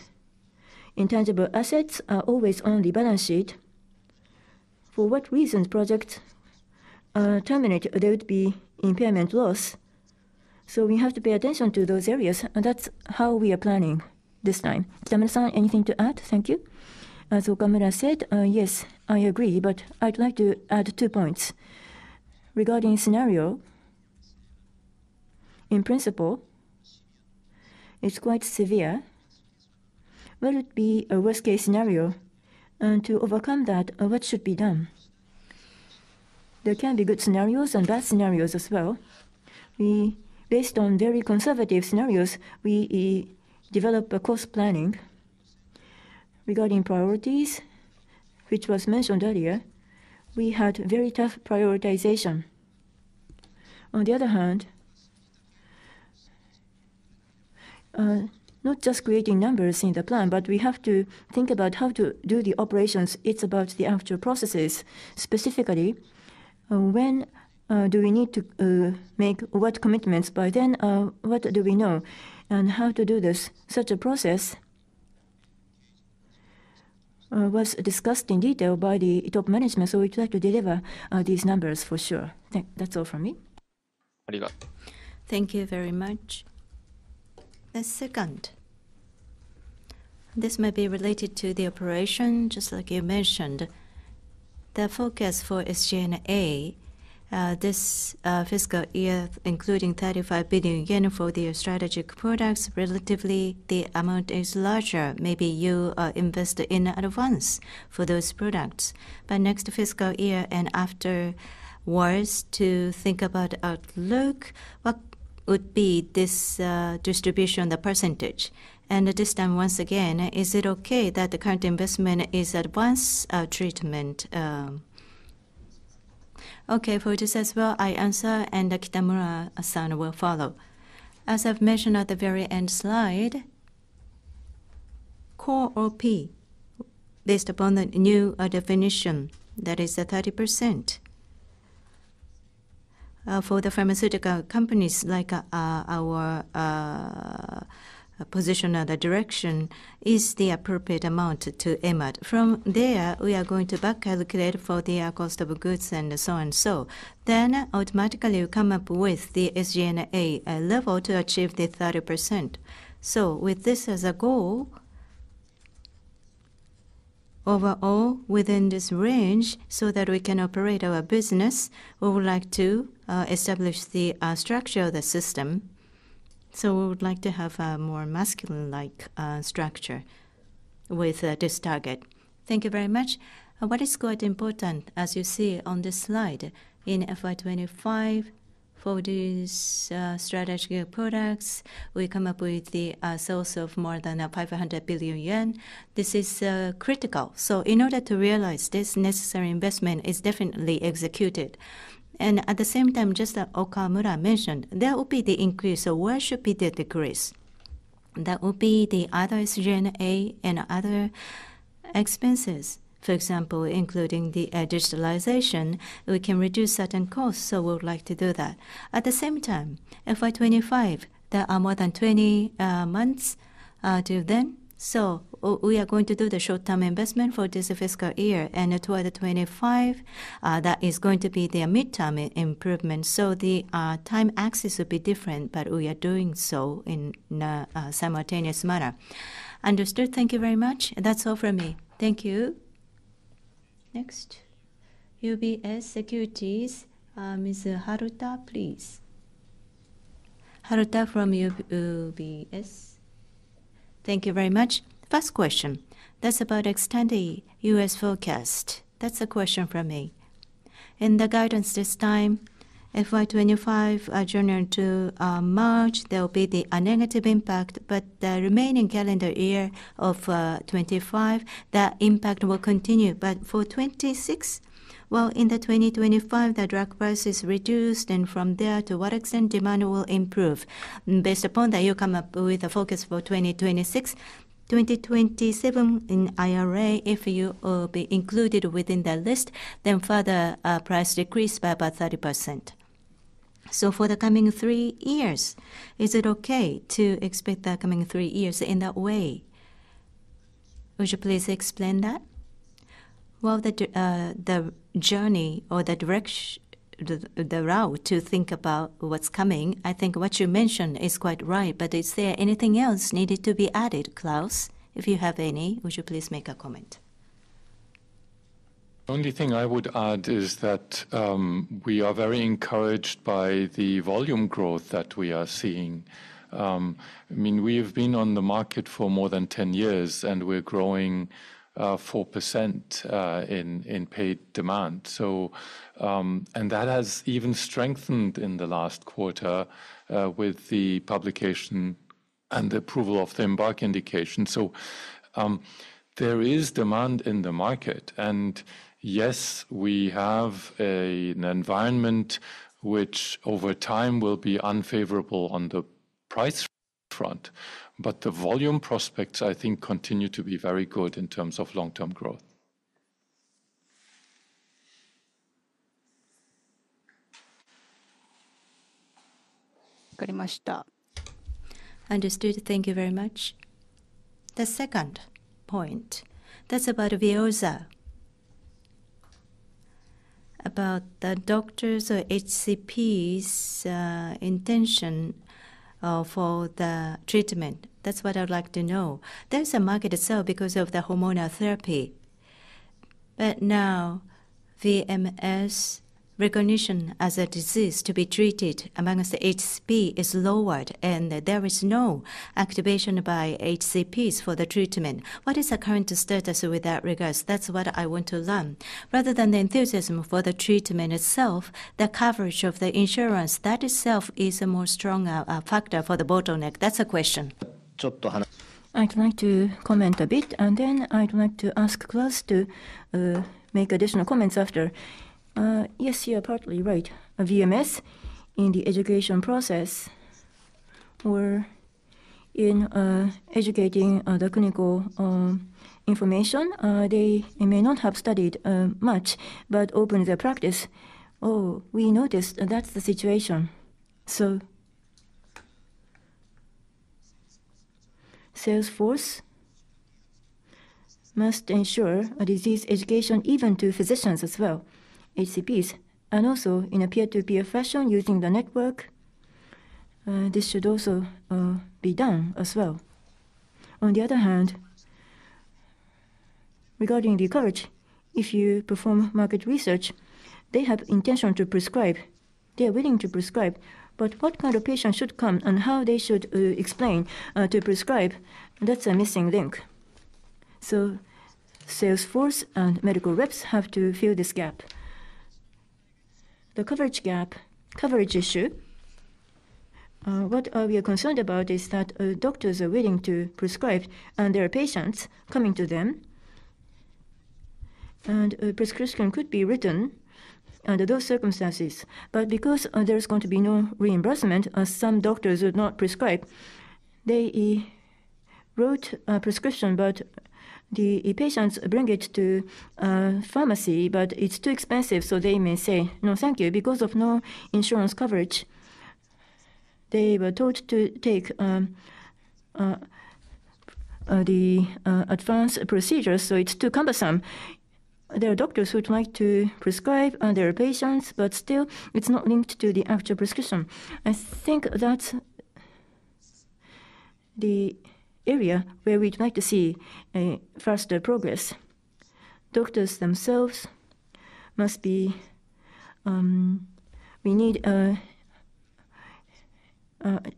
intangible assets are always on the balance sheet. For what reasons project terminate, there would be impairment loss. So we have to pay attention to those areas, and that's how we are planning this time. Kitamura-san, anything to add? Thank you. As Okamura said, yes, I agree, but I'd like to add two points. Regarding scenario, in principle, it's quite severe. Will it be a worst-case scenario? To overcome that, what should be done? There can be good scenarios and bad scenarios as well. We, based on very conservative scenarios, develop a cost planning. Regarding priorities, which was mentioned earlier, we had very tough prioritization. On the other hand, not just creating numbers in the plan, but we have to think about how to do the operations. It's about the actual processes. Specifically, when do we need to make what commitments? By then, what do we know and how to do this? Such a process was discussed in detail by the top management, so we'd like to deliver these numbers for sure. Thank-- That's all from me. Thank you very much. The second, this may be related to the operation, just like you mentioned. The forecast for SG&A, this fiscal year, including 35 billion yen for the strategic products, relatively, the amount is larger. Maybe you invest in advance for those products. But next fiscal year and afterwards, to think about outlook, what would be this distribution, the percentage? And this time, once again, is it okay that the current investment is advance treatment? Okay, for this as well, I answer, and Kitamura-san will follow. As I've mentioned at the very end slide, core OP, based upon the new definition, that is at 30%. For the pharmaceutical companies like our position or the direction, is the appropriate amount to aim at. From there, we are going to back calculate for the cost of goods and so on so. Then automatically, we come up with the SG&A level to achieve the 30%. So with this as a goal, overall, within this range, so that we can operate our business, we would like to establish the structure of the system. So we would like to have a more muscular structure with this target. Thank you very much. What is quite important, as you see on this slide, in FY 2025, for these strategic products, we come up with the sales of more than 500 billion yen. This is critical. So in order to realize this necessary investment is definitely executed. And at the same time, just as Okamura mentioned, there will be the increase, so where should be the decrease? That will be the other SG&A and other expenses, for example, including the digitalization. We can reduce certain costs, so we would like to do that. At the same time, FY 2025, there are more than 20 months till then, so we are going to do the short-term investment for this fiscal year. Toward the 2025, that is going to be the midterm improvement, so the time axis will be different, but we are doing so in a simultaneous manner. Understood. Thank you very much. That's all from me. Thank you. Next, UBS Securities, Ms. Haruta, please. Haruta from UBS. Thank you very much. First question, that's about extending U.S. forecast. That's the question from me. In the guidance this time, FY 2025, January to March, there will be a negative impact. But the remaining calendar year of 2025, the impact will continue. But for 2026, well, in 2025, the drug price is reduced, and from there, to what extent demand will improve? Based upon that, you come up with a focus for 2026, 2027 in IRA. If you be included within the list, then further price decrease by about 30%. So for the coming three years, is it okay to expect the coming three years in that way? Would you please explain that? Well, the journey or the direct route to think about what's coming, I think what you mentioned is quite right. But is there anything else needed to be added, Claus? If you have any, would you please make a comment? The only thing I would add is that, we are very encouraged by the volume growth that we are seeing. I mean, we've been on the market for more than 10 years, and we're growing 4% in paid demand. So. That has even strengthened in the last quarter, with the publication and the approval of the EMBARK indication. So, there is demand in the market, and yes, we have an environment which over time will be unfavorable on the price front, but the volume prospects, I think, continue to be very good in terms of long-term growth. Understood. Thank you very much. The second point, that's about VEOZAH. About the doctors' or HCPs', intention for the treatment. That's what I'd like to know. There's a market itself because of the hormonal therapy, but now VMS recognition as a disease to be treated amongst HCP is lowered, and there is no activation by HCPs for the treatment. What is the current status with that regards? That's what I want to learn. Rather than the enthusiasm for the treatment itself, the coverage of the insurance, that itself is a more stronger factor for the bottleneck. That's the question. I'd like to comment a bit, and then I'd like to ask Claus to make additional comments after. Yes, you are partly right. A VMS in the education process or in educating the clinical information, they may not have studied much, but open the practice. Oh, we noticed, and that's the situation. So, sales force must ensure a disease education, even to physicians as well, HCPs, and also in a peer-to-peer fashion using the network. This should also be done as well. On the other hand, regarding the coverage, if you perform market research, they have intention to prescribe. They are willing to prescribe, but what kind of patient should come and how they should explain to prescribe, that's a missing link. So sales force and medical reps have to fill this gap. The coverage gap, coverage issue, what we are concerned about is that doctors are willing to prescribe, and there are patients coming to them, and a prescription could be written under those circumstances. But because there's going to be no reimbursement, some doctors would not prescribe. They wrote a prescription, but the patients bring it to pharmacy, but it's too expensive, so they may say, "No, thank you." Because of no insurance coverage, they were told to take the advanced procedure, so it's too cumbersome. There are doctors who'd like to prescribe, and there are patients, but still, it's not linked to the actual prescription. I think that's the area where we'd like to see a faster progress. Doctors themselves must be... We need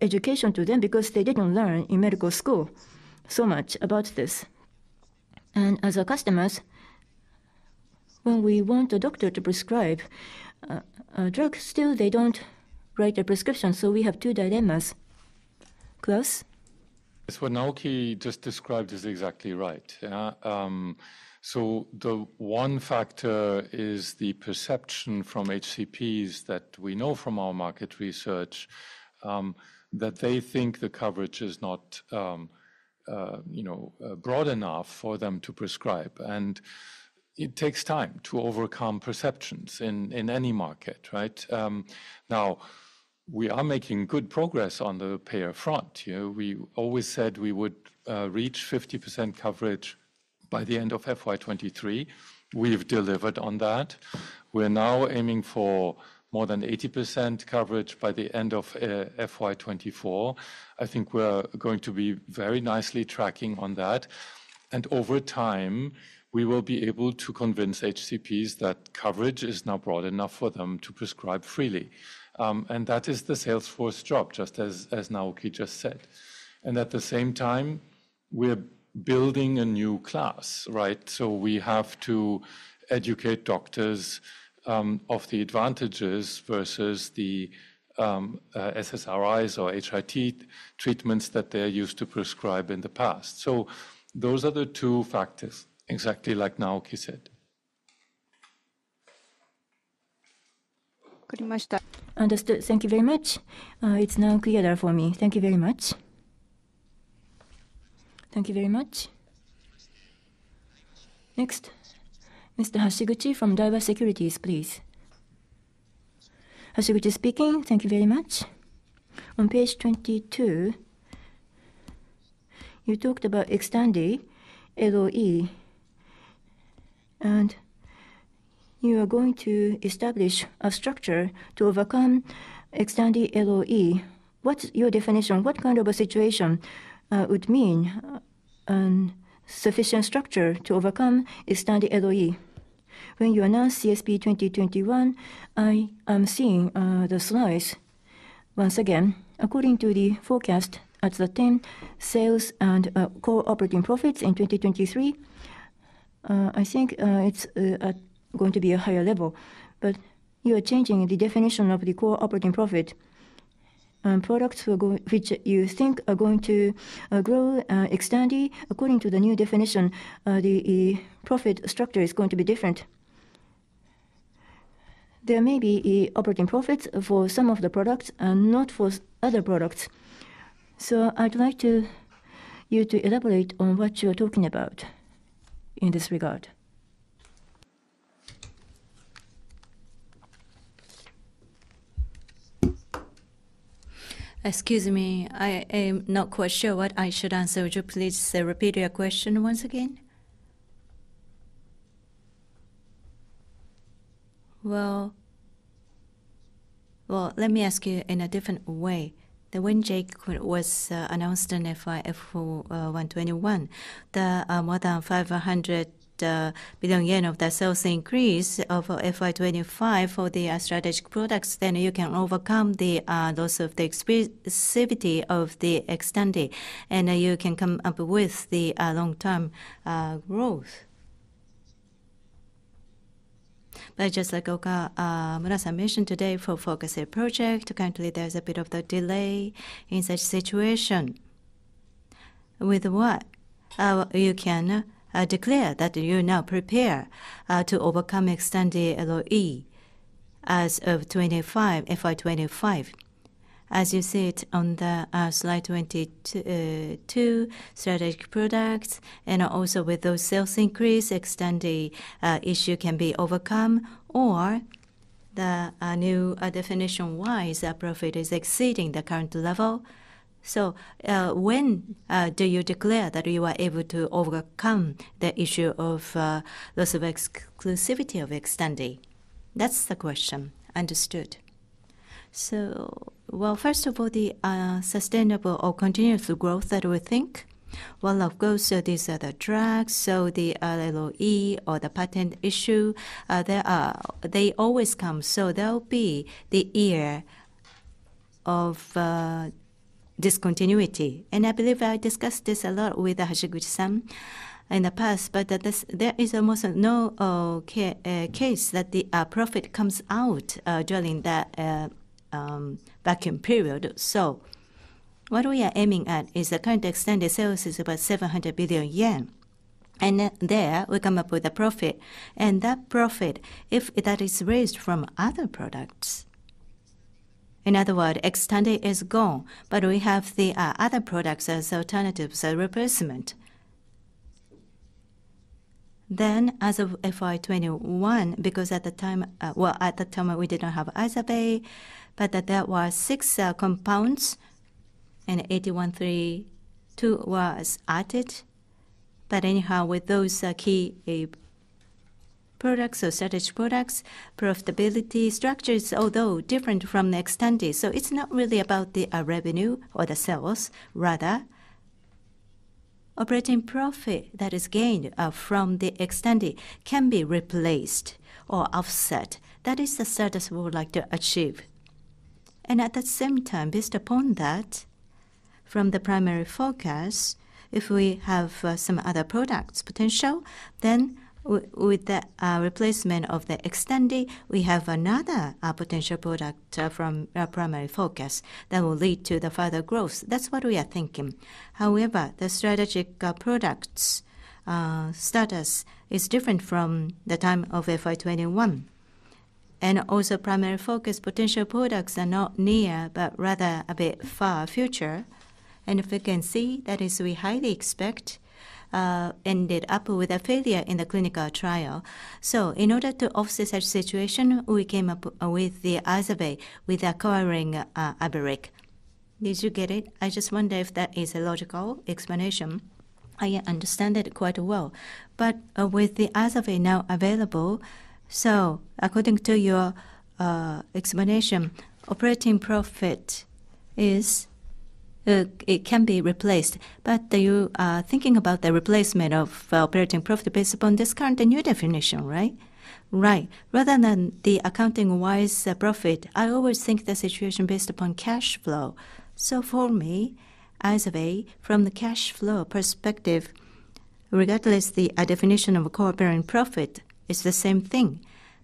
education to them because they didn't learn in medical school so much about this. As our customers, when we want a doctor to prescribe a drug, still they don't write a prescription, so we have two dilemmas. Claus? Yes, what Naoki just described is exactly right. So the one factor is the perception from HCPs that we know from our market research that they think the coverage is not, you know, broad enough for them to prescribe. And it takes time to overcome perceptions in any market, right? Now, we are making good progress on the payer front. You know, we always said we would reach 50% coverage by the end of FY 2023. We've delivered on that. We're now aiming for more than 80% coverage by the end of FY 2024. I think we're going to be very nicely tracking on that. And over time, we will be able to convince HCPs that coverage is now broad enough for them to prescribe freely. And that is the sales force job, just as Naoki just said. And at the same time, we're building a new class, right? So we have to educate doctors of the advantages versus the SSRIs or HRT treatments that they're used to prescribe in the past. So those are the two factors, exactly like Naoki said. Understood. Thank you very much. It's now clearer for me. Thank you very much. Thank you very much. Next, Mr. Hashiguchi from Daiwa Securities, please. Hashiguchi speaking. Thank you very much. On page 22, you talked about XTANDI LOE, and you are going to establish a structure to overcome XTANDI LOE. What's your definition? What kind of a situation would mean a sufficient structure to overcome XTANDI LOE? When you announce CSP 2021, I am seeing the slides once again. According to the forecast at the ten, sales and core operating profits in 2023, I think it's going to be a higher level. But you are changing the definition of the core operating profit. Products which you think are going to grow, XTANDI, according to the new definition, the profit structure is going to be different. There may be operating profits for some of the products and not for other products. So I'd like you to elaborate on what you are talking about in this regard. Excuse me, I am not quite sure what I should answer. Would you please repeat your question once again? Well, let me ask you in a different way. When the CSP was announced in FY 2021, the more than 500 billion yen of the sales increase of FY 2025 for the strategic products, then you can overcome the loss of the exclusivity of the XTANDI, and you can come up with the long-term growth. But just like Okamura mentioned today for focus project, currently, there's a bit of the delay in such situation. With what you can declare that you're now prepared to overcome XTANDI LOE as of 25, FY 2025? As you see it on the slide 22, strategic products, and also with those sales increase, XTANDI issue can be overcome, or the new definition-wise, the profit is exceeding the current level. So when do you declare that you are able to overcome the issue of loss of exclusivity of XTANDI? That's the question. Understood. So, well, first of all, the sustainable or continuous growth that we think, well, of course, these are the drugs, so the LOE or the patent issue they are, they always come. So there will be the year of discontinuity. I believe I discussed this a lot with Hashiguchi-san in the past, but that this, there is almost no case that the profit comes out during that vacuum period. So what we are aiming at is the current XTANDI sales is about 700 billion yen, and then there, we come up with a profit. And that profit, if that is raised from other products, in other word, XTANDI is gone, but we have the other products as alternatives or replacement. Then, as of FY 2021, because at the time, well, at the time we did not have IZERVAY, but that there was six compounds, and 8132 was added. But anyhow, with those key products or strategic products, profitability structures, although different from the XTANDI, so it's not really about the revenue or the sales, rather, operating profit that is gained from the XTANDI can be replaced or offset. That is the status we would like to achieve. And at the same time, based upon that, from the primary focus, if we have some other products potential, then with the replacement of the XTANDI, we have another potential product from our primary focus that will lead to the further growth. That's what we are thinking. However, the strategic products status is different from the time of FY 2021. And also, primary focus potential products are not near, but rather a bit far future. If we can see, that is we highly expect ended up with a failure in the clinical trial. So in order to offset such situation, we came up with the IZERVAY, with acquiring Iveric Bio. Did you get it? I just wonder if that is a logical explanation. I understand it quite well. But with the IZERVAY now available, so according to your explanation, operating profit is it can be replaced. But you are thinking about the replacement of operating profit based upon this current new definition, right? Right. Rather than the accounting-wise profit, I always think the situation based upon cash flow. So for me, IZERVAY, from the cash flow perspective... regardless the definition of core operating profit, it's the same thing.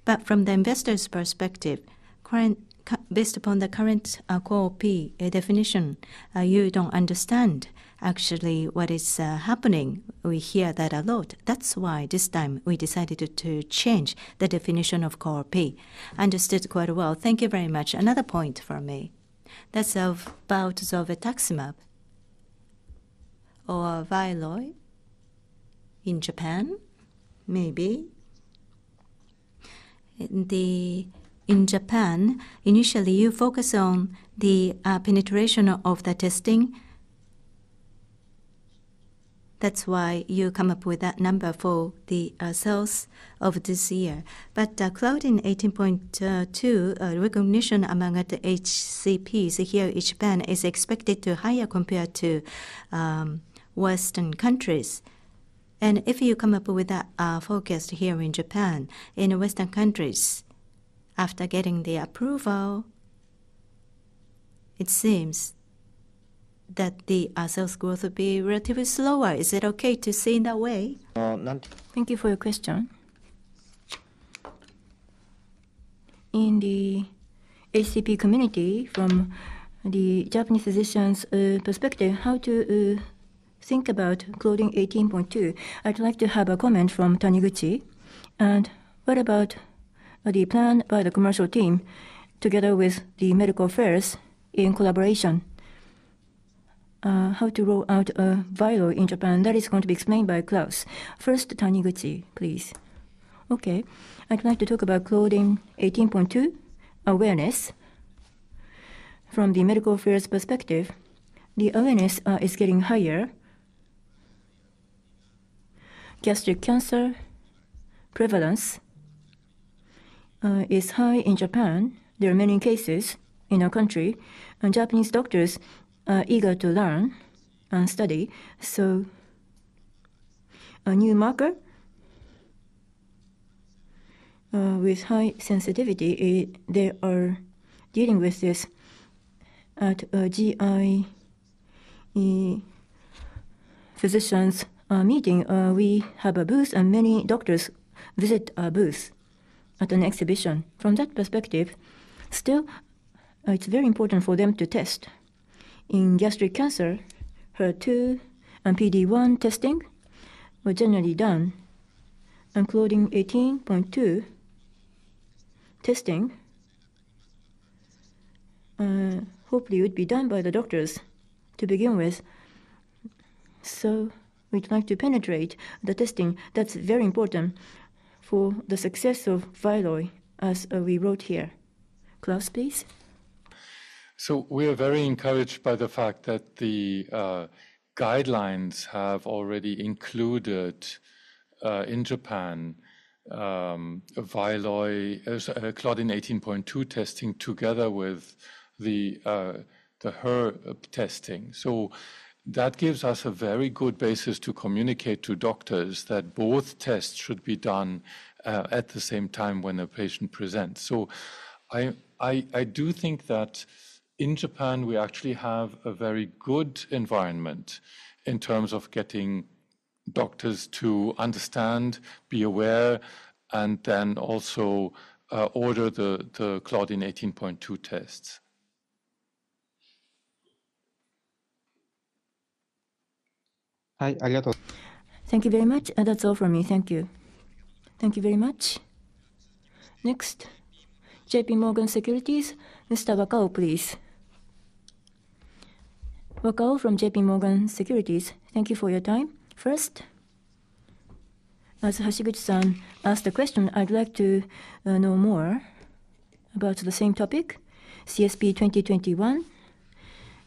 But from the investor's perspective, currently based upon the current core P definition, you don't understand actually what is happening. We hear that a lot. That's why this time we decided to change the definition of core P. Understood quite well. Thank you very much. Another point for me, that's about zolbetuximab or VYLOY in Japan, maybe. In Japan, initially, you focus on the penetration of the testing. That's why you come up with that number for the sales of this year. But claudin 18.2 recognition among the HCPs here in Japan is expected to higher compared to Western countries. And if you come up with that forecast here in Japan, in Western countries, after getting the approval, it seems that the sales growth will be relatively slower. Is it okay to say in that way? Thank you for your question. In the HCP community, from the Japanese physicians' perspective, how to think about claudin 18.2? I'd like to have a comment from Taniguchi. And what about the plan by the commercial team, together with the medical affairs in collaboration, how to roll out VYLOY in Japan? That is going to be explained by Claus. First, Taniguchi, please. Okay. I'd like to talk about claudin 18.2 awareness. From the medical affairs perspective, the awareness is getting higher. Gastric cancer prevalence is high in Japan. There are many cases in our country, and Japanese doctors are eager to learn and study. So a new marker with high sensitivity, they are dealing with this. At a GIE physicians' meeting, we have a booth, and many doctors visit our booth at an exhibition. From that perspective, still, it's very important for them to test. In gastric cancer, HER2 and PD-1 testing were generally done, and claudin 18.2 testing, hopefully would be done by the doctors to begin with. So we'd like to penetrate the testing. That's very important for the success of VYLOY, as, we wrote here. Claus, please. So we are very encouraged by the fact that the guidelines have already included in Japan VYLOY as claudin 18.2 testing together with the HER testing. So that gives us a very good basis to communicate to doctors that both tests should be done at the same time when a patient presents. So I do think that in Japan we actually have a very good environment in terms of getting doctors to understand, be aware, and then also order the claudin 18.2 tests. Thank you very much. That's all from me. Thank you. Thank you very much. Next, JPMorgan Securities, Mr. Wakao, please. Wakao from JPMorgan Securities. Thank you for your time. First, as Hashiguchi-san asked the question, I'd like to know more about the same topic, CSP 2021,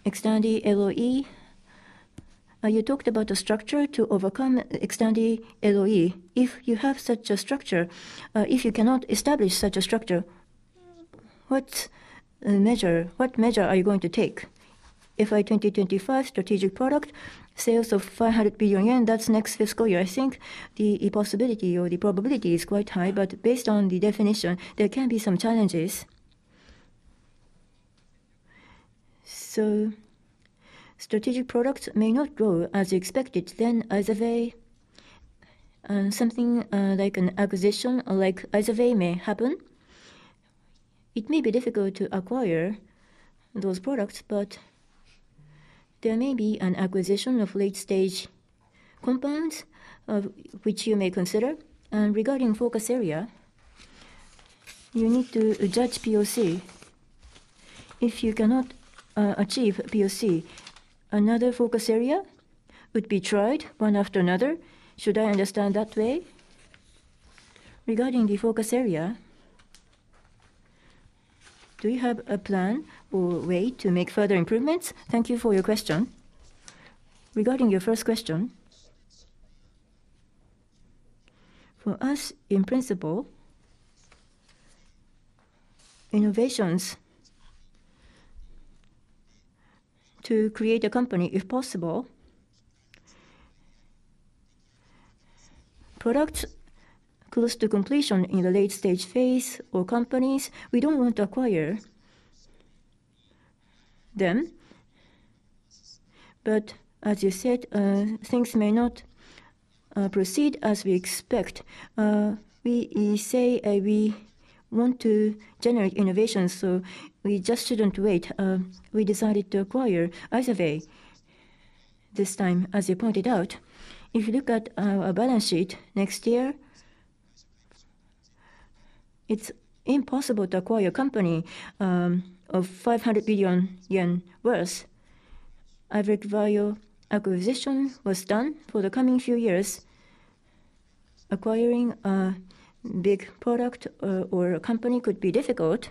XTANDI LOE. You talked about a structure to overcome XTANDI LOE. If you have such a structure, if you cannot establish such a structure, what measure are you going to take? If by 2025, strategic product sales of 500 billion yen, that's next fiscal year, I think the possibility or the probability is quite high, but based on the definition, there can be some challenges. So strategic products may not grow as expected, then either way, something like an acquisition or like either way may happen. It may be difficult to acquire those products, but there may be an acquisition of late-stage compounds, of which you may consider. Regarding Focus Area, you need to judge POC. If you cannot achieve POC, another Focus Area would be tried one after another. Should I understand that way? Regarding the focus area, do you have a plan or way to make further improvements? Thank you for your question. Regarding your first question, for us, in principle, innovations to create a company, if possible, products close to completion in the late-stage phase or companies, we don't want to acquire.... them. But as you said, things may not proceed as we expect. We say we want to generate innovation, so we just shouldn't wait. We decided to acquire Iveric this time, as you pointed out. If you look at our balance sheet next year, it's impossible to acquire a company worth 500 billion yen. Average value acquisition was done for the coming few years. Acquiring a big product or a company could be difficult,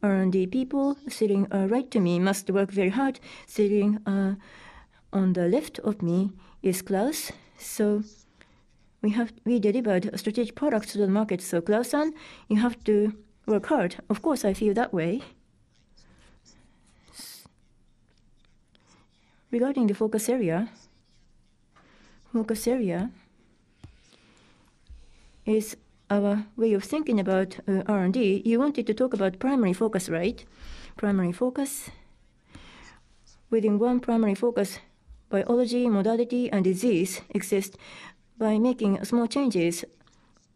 so R&D people sitting right to me must work very hard. Sitting on the left of me is Claus. So we delivered strategic products to the market. So Claus-san, you have to work hard. Of course, I feel that way. Regarding the focus area, focus area is our way of thinking about R&D. You wanted to talk about Primary Focus, right? Primary Focus. Within one Primary Focus, biology, modality, and disease exist by making small changes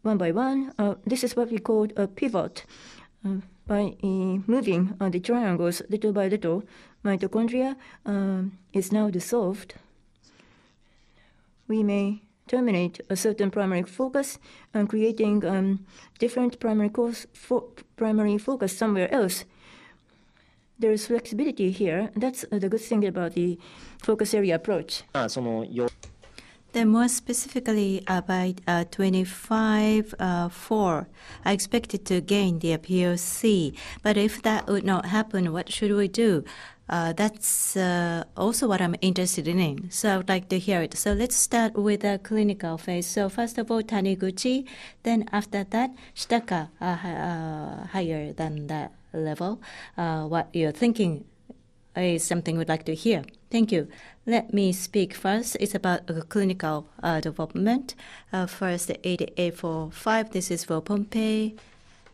one by one. This is what we call a pivot. By moving on the triangles little by little, one modality is now dissolved. We may terminate a certain Primary Focus and creating different Primary Focus somewhere else. There is flexibility here, and that's the good thing about the Focus Area Approach. Then more specifically, by 2025, I expected to gain the POC. But if that would not happen, what should we do? That's also what I'm interested in, so I would like to hear it. So let's start with the clinical phase. So first of all, Taniguchi, then after that, Shitaka, higher than that level. What you're thinking is something we'd like to hear. Thank you. Let me speak first. It's about the clinical development. First, the ADA 45, this is for Pompe,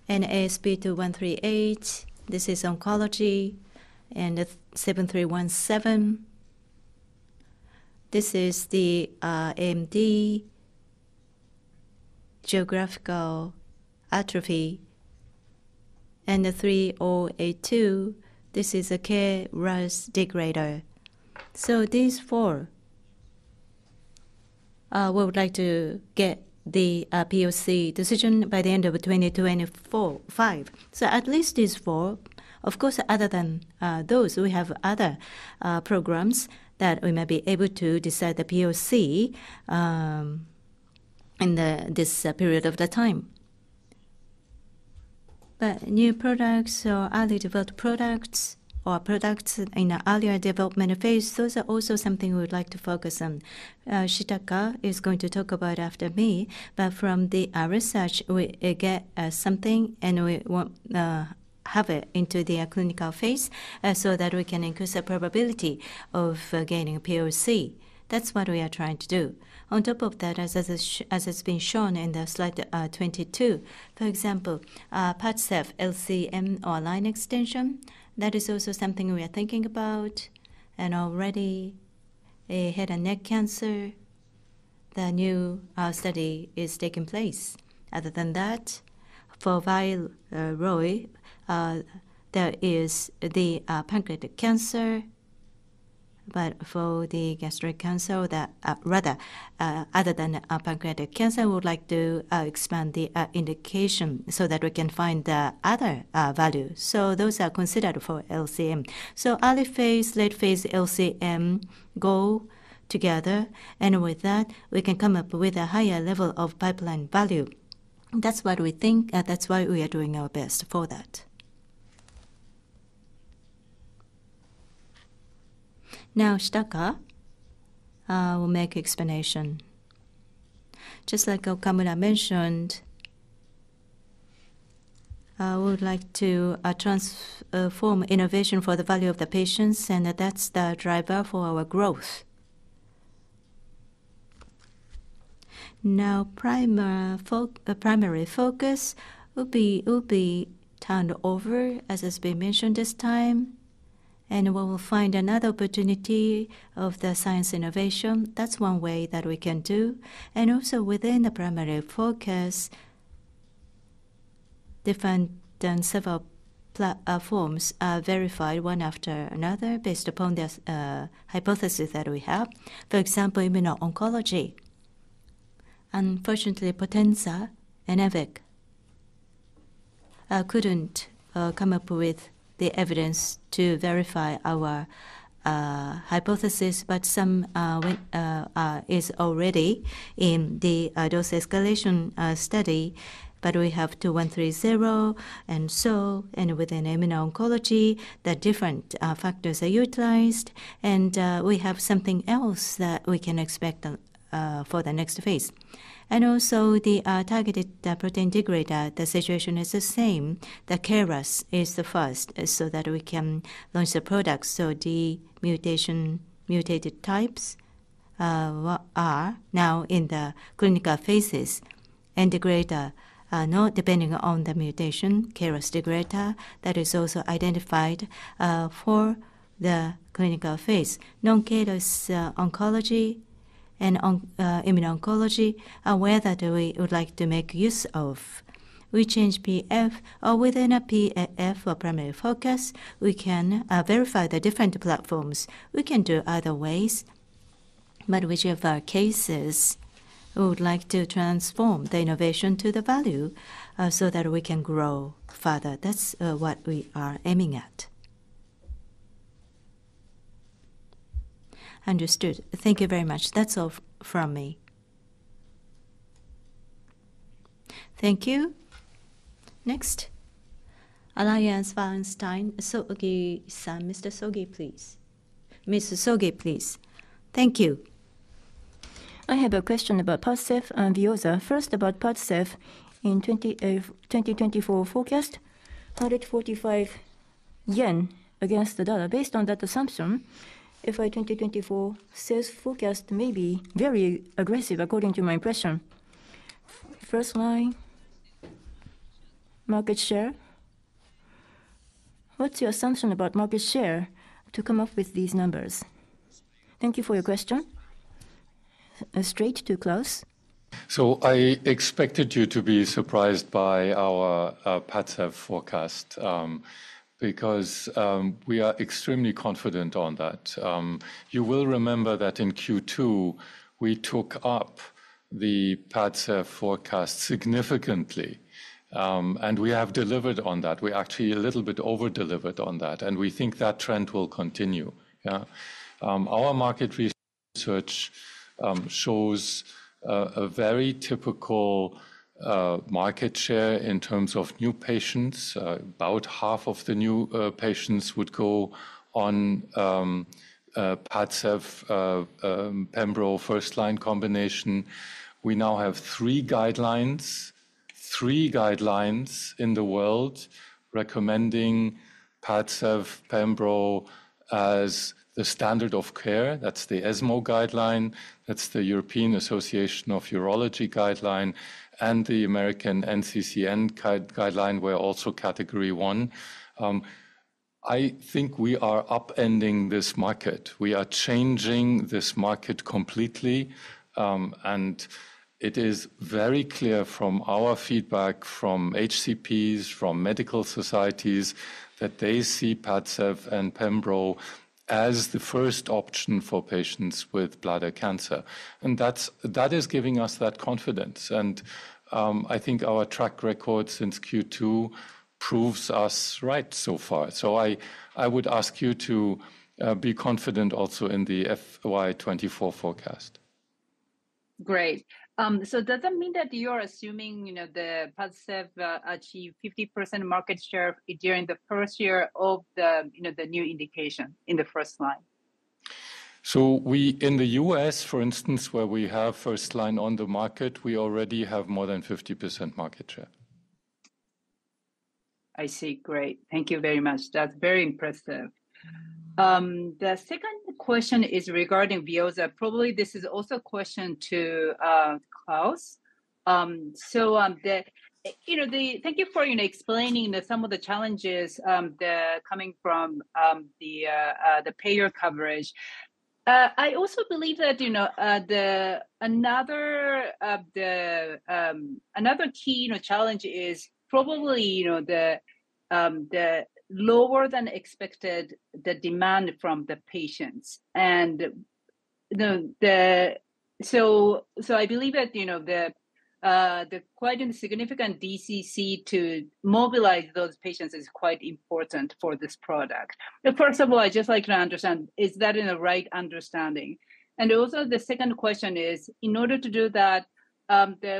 and ASP2138, this is oncology, and the 7317, this is the AMD geographic atrophy, and the 3082, this is a KRAS degrader. So these four, we would like to get the POC decision by the end of 2024-5. So at least these four. Of course, other than, those, we have other, programs that we may be able to decide the POC, in the, this, period of the time. But new products or early developed products or products in an earlier development phase, those are also something we would like to focus on. Shitaka is going to talk about after me, but from the, research, we, get, something and we want, have it into the clinical phase, so that we can increase the probability of gaining POC. That's what we are trying to do. On top of that, as has been shown in the slide 22, for example, PADCEV LCM or line extension, that is also something we are thinking about and already in head and neck cancer, the new study is taking place. Other than that, for VYLOY, there is the pancreatic cancer. But for the gastric cancer, that... Rather, other than pancreatic cancer, we would like to expand the indication so that we can find the other value. So those are considered for LCM. So early phase, late phase LCM go together, and with that, we can come up with a higher level of pipeline value. That's what we think, and that's why we are doing our best for that. Now, Shitaka will make explanation. Just like Okamura mentioned, we would like to transform innovation for the value of the patients, and that's the driver for our growth. Now, Primary Focus will be turned over, as has been mentioned this time, and we will find another opportunity of the science innovation. That's one way that we can do. And also within the Primary Focus, different and several platforms are verified one after another based upon the hypothesis that we have. For example, immuno-oncology. Unfortunately, Potenza and Evic couldn't come up with the evidence to verify our hypothesis, but some are already in the dose escalation study. But we have 2130 and so, and within immuno-oncology, the different factors are utilized, and we have something else that we can expect for the next phase. And also, the targeted protein degrader, the situation is the same. The KRAS is the first, so that we can launch the product. So the mutation, mutated types-... we are now in the clinical phases, and the greater, not depending on the mutation, KRAS G12D, that is also identified, for the clinical phase. Non-KRAS, oncology and immuno-oncology, are where that we would like to make use of. We change PF, or within a PF, or primary focus, we can, verify the different platforms. We can do other ways, but which of our cases, we would like to transform the innovation to the value, so that we can grow further. That's, what we are aiming at. Understood. Thank you very much. That's all from me. Thank you. Next, Sanford C. Bernstein, Sogi-san. Mr. Sogi, please. Ms. Sogi, please. Thank you. I have a question about PADCEV and VEOZAH. First, about PADCEV, in 2024 forecast, 145 yen against the dollar. Based on that assumption, FY2024 sales forecast may be very aggressive according to my impression. First line, market share. What's your assumption about market share to come up with these numbers? Thank you for your question. Straight to Claus. So I expected you to be surprised by our PADCEV forecast, because we are extremely confident on that. You will remember that in Q2, we took up the PADCEV forecast significantly, and we have delivered on that. We actually a little bit over-delivered on that, and we think that trend will continue. Yeah. Our market research shows a very typical market share in terms of new patients. About half of the new patients would go on PADCEV pembro first-line combination. We now have three guidelines, three guidelines in the world recommending PADCEV pembro as the standard of care. That's the ESMO guideline, that's the European Association of Urology guideline, and the American NCCN guideline, we're also category one. I think we are upending this market. We are changing this market completely, and it is very clear from our feedback from HCPs, from medical societies, that they see PADCEV and pembro as the first option for patients with bladder cancer, and that is giving us that confidence. I think our track record since Q2 proves us right so far. So I would ask you to be confident also in the FY 2024 forecast. Great. So does that mean that you're assuming, you know, the PADCEV achieve 50% market share during the first year of the, you know, the new indication in the first line? In the U.S., for instance, where we have first line on the market, we already have more than 50% market share. I see. Great. Thank you very much. That's very impressive. The second question is regarding VEOZAH. Probably this is also a question to Claus. So, you know, thank you for, you know, explaining some of the challenges coming from the payer coverage. I also believe that, you know, another key, you know, challenge is probably, you know, the lower than expected demand from the patients and the... So I believe that, you know, the quite significant DTC to mobilize those patients is quite important for this product. First of all, I'd just like to understand, is that in the right understanding? And also, the second question is, in order to do that,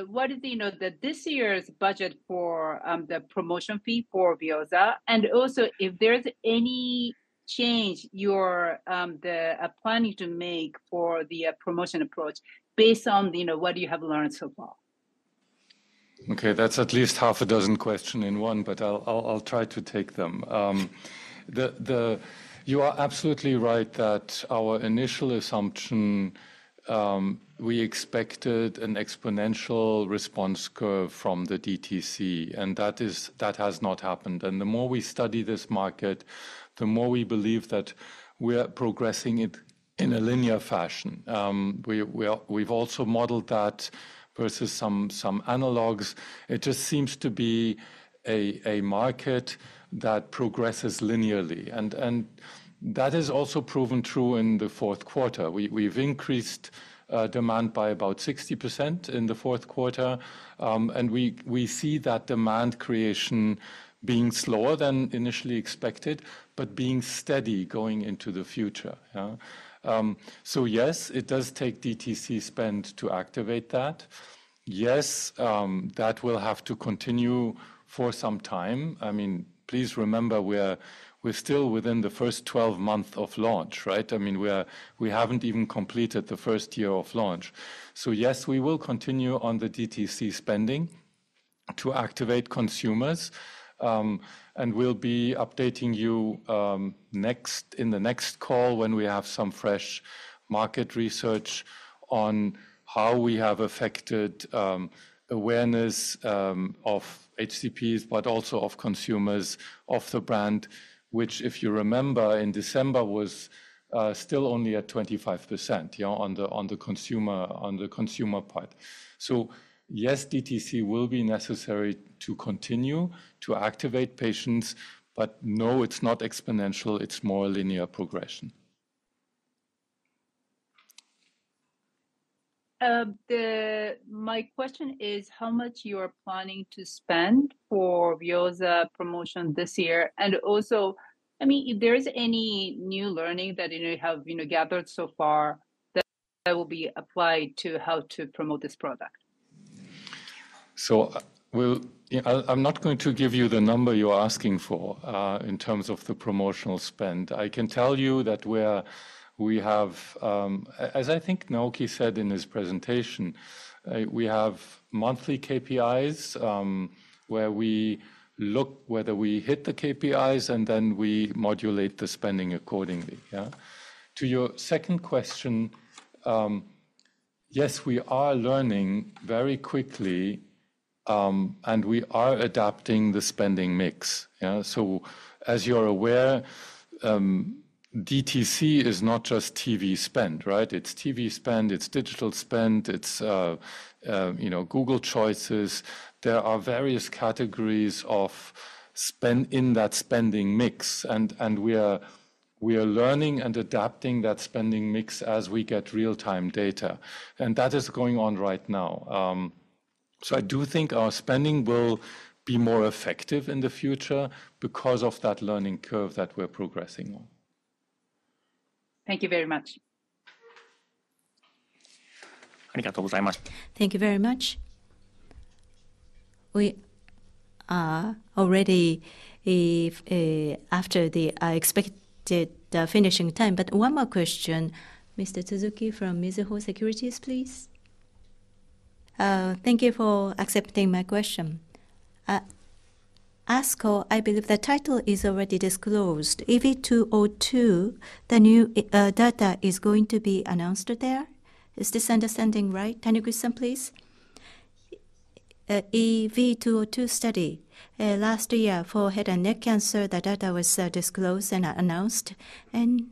what is, you know, this year's budget for the promotion fee for VEOZAH, and also if there's any change you're planning to make for the promotion approach based on, you know, what you have learned so far? Okay, that's at least half a dozen questions in one, but I'll try to take them. You are absolutely right that our initial assumption, we expected an exponential response curve from the DTC, and that is—that has not happened. And the more we study this market, the more we believe that we are progressing it in a linear fashion. We've also modeled that versus some analogues. It just seems to be a market that progresses linearly, and that is also proven true in the fourth quarter. We've increased demand by about 60% in the fourth quarter, and we see that demand creation being slower than initially expected, but being steady going into the future, yeah. So yes, it does take DTC spend to activate that. Yes, that will have to continue for some time. I mean, please remember, we're still within the first 12 month of launch, right? I mean, we haven't even completed the first year of launch. So yes, we will continue on the DTC spending to activate consumers. And we'll be updating you in the next call when we have some fresh market research on how we have affected awareness of HCPs, but also of consumers of the brand, which if you remember, in December, was still only at 25%, on the consumer part. So yes, DTC will be necessary to continue to activate patients, but no, it's not exponential, it's more a linear progression. My question is, how much you are planning to spend for VEOZAH promotion this year? And also, I mean, if there is any new learning that, you know, you have, you know, gathered so far that will be applied to how to promote this product. Yeah, I'm not going to give you the number you're asking for in terms of the promotional spend. I can tell you that we have. As I think Naoki said in his presentation, we have monthly KPIs, where we look whether we hit the KPIs, and then we modulate the spending accordingly, yeah? To your second question, yes, we are learning very quickly, and we are adapting the spending mix, you know? So as you're aware, DTC is not just TV spend, right? It's TV spend, it's digital spend, it's, you know, Google choices. There are various categories of spend in that spending mix, and we are learning and adapting that spending mix as we get real-time data, and that is going on right now. I do think our spending will be more effective in the future because of that learning curve that we're progressing on. Thank you very much. Thank you very much. Thank you very much. We are already after the expected finishing time, but one more question. Mr. Tsuzuki from Mizuho Securities, please. Thank you for accepting my question. ASCO, I believe the title is already disclosed. EV-202, the new data is going to be announced there. Is this understanding right, Taniguchi-san, please? EV-202 study, last year for head and neck cancer, the data was disclosed and announced, and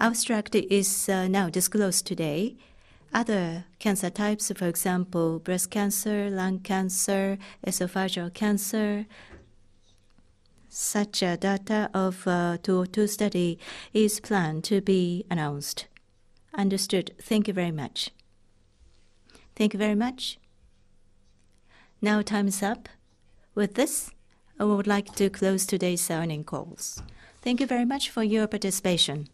abstract is now disclosed today. Other cancer types, for example, breast cancer, lung cancer, esophageal cancer, such a data of 202 study is planned to be announced. Understood. Thank you very much. Thank you very much. Now time is up. With this, I would like to close today's earnings call. Thank you very much for your participation.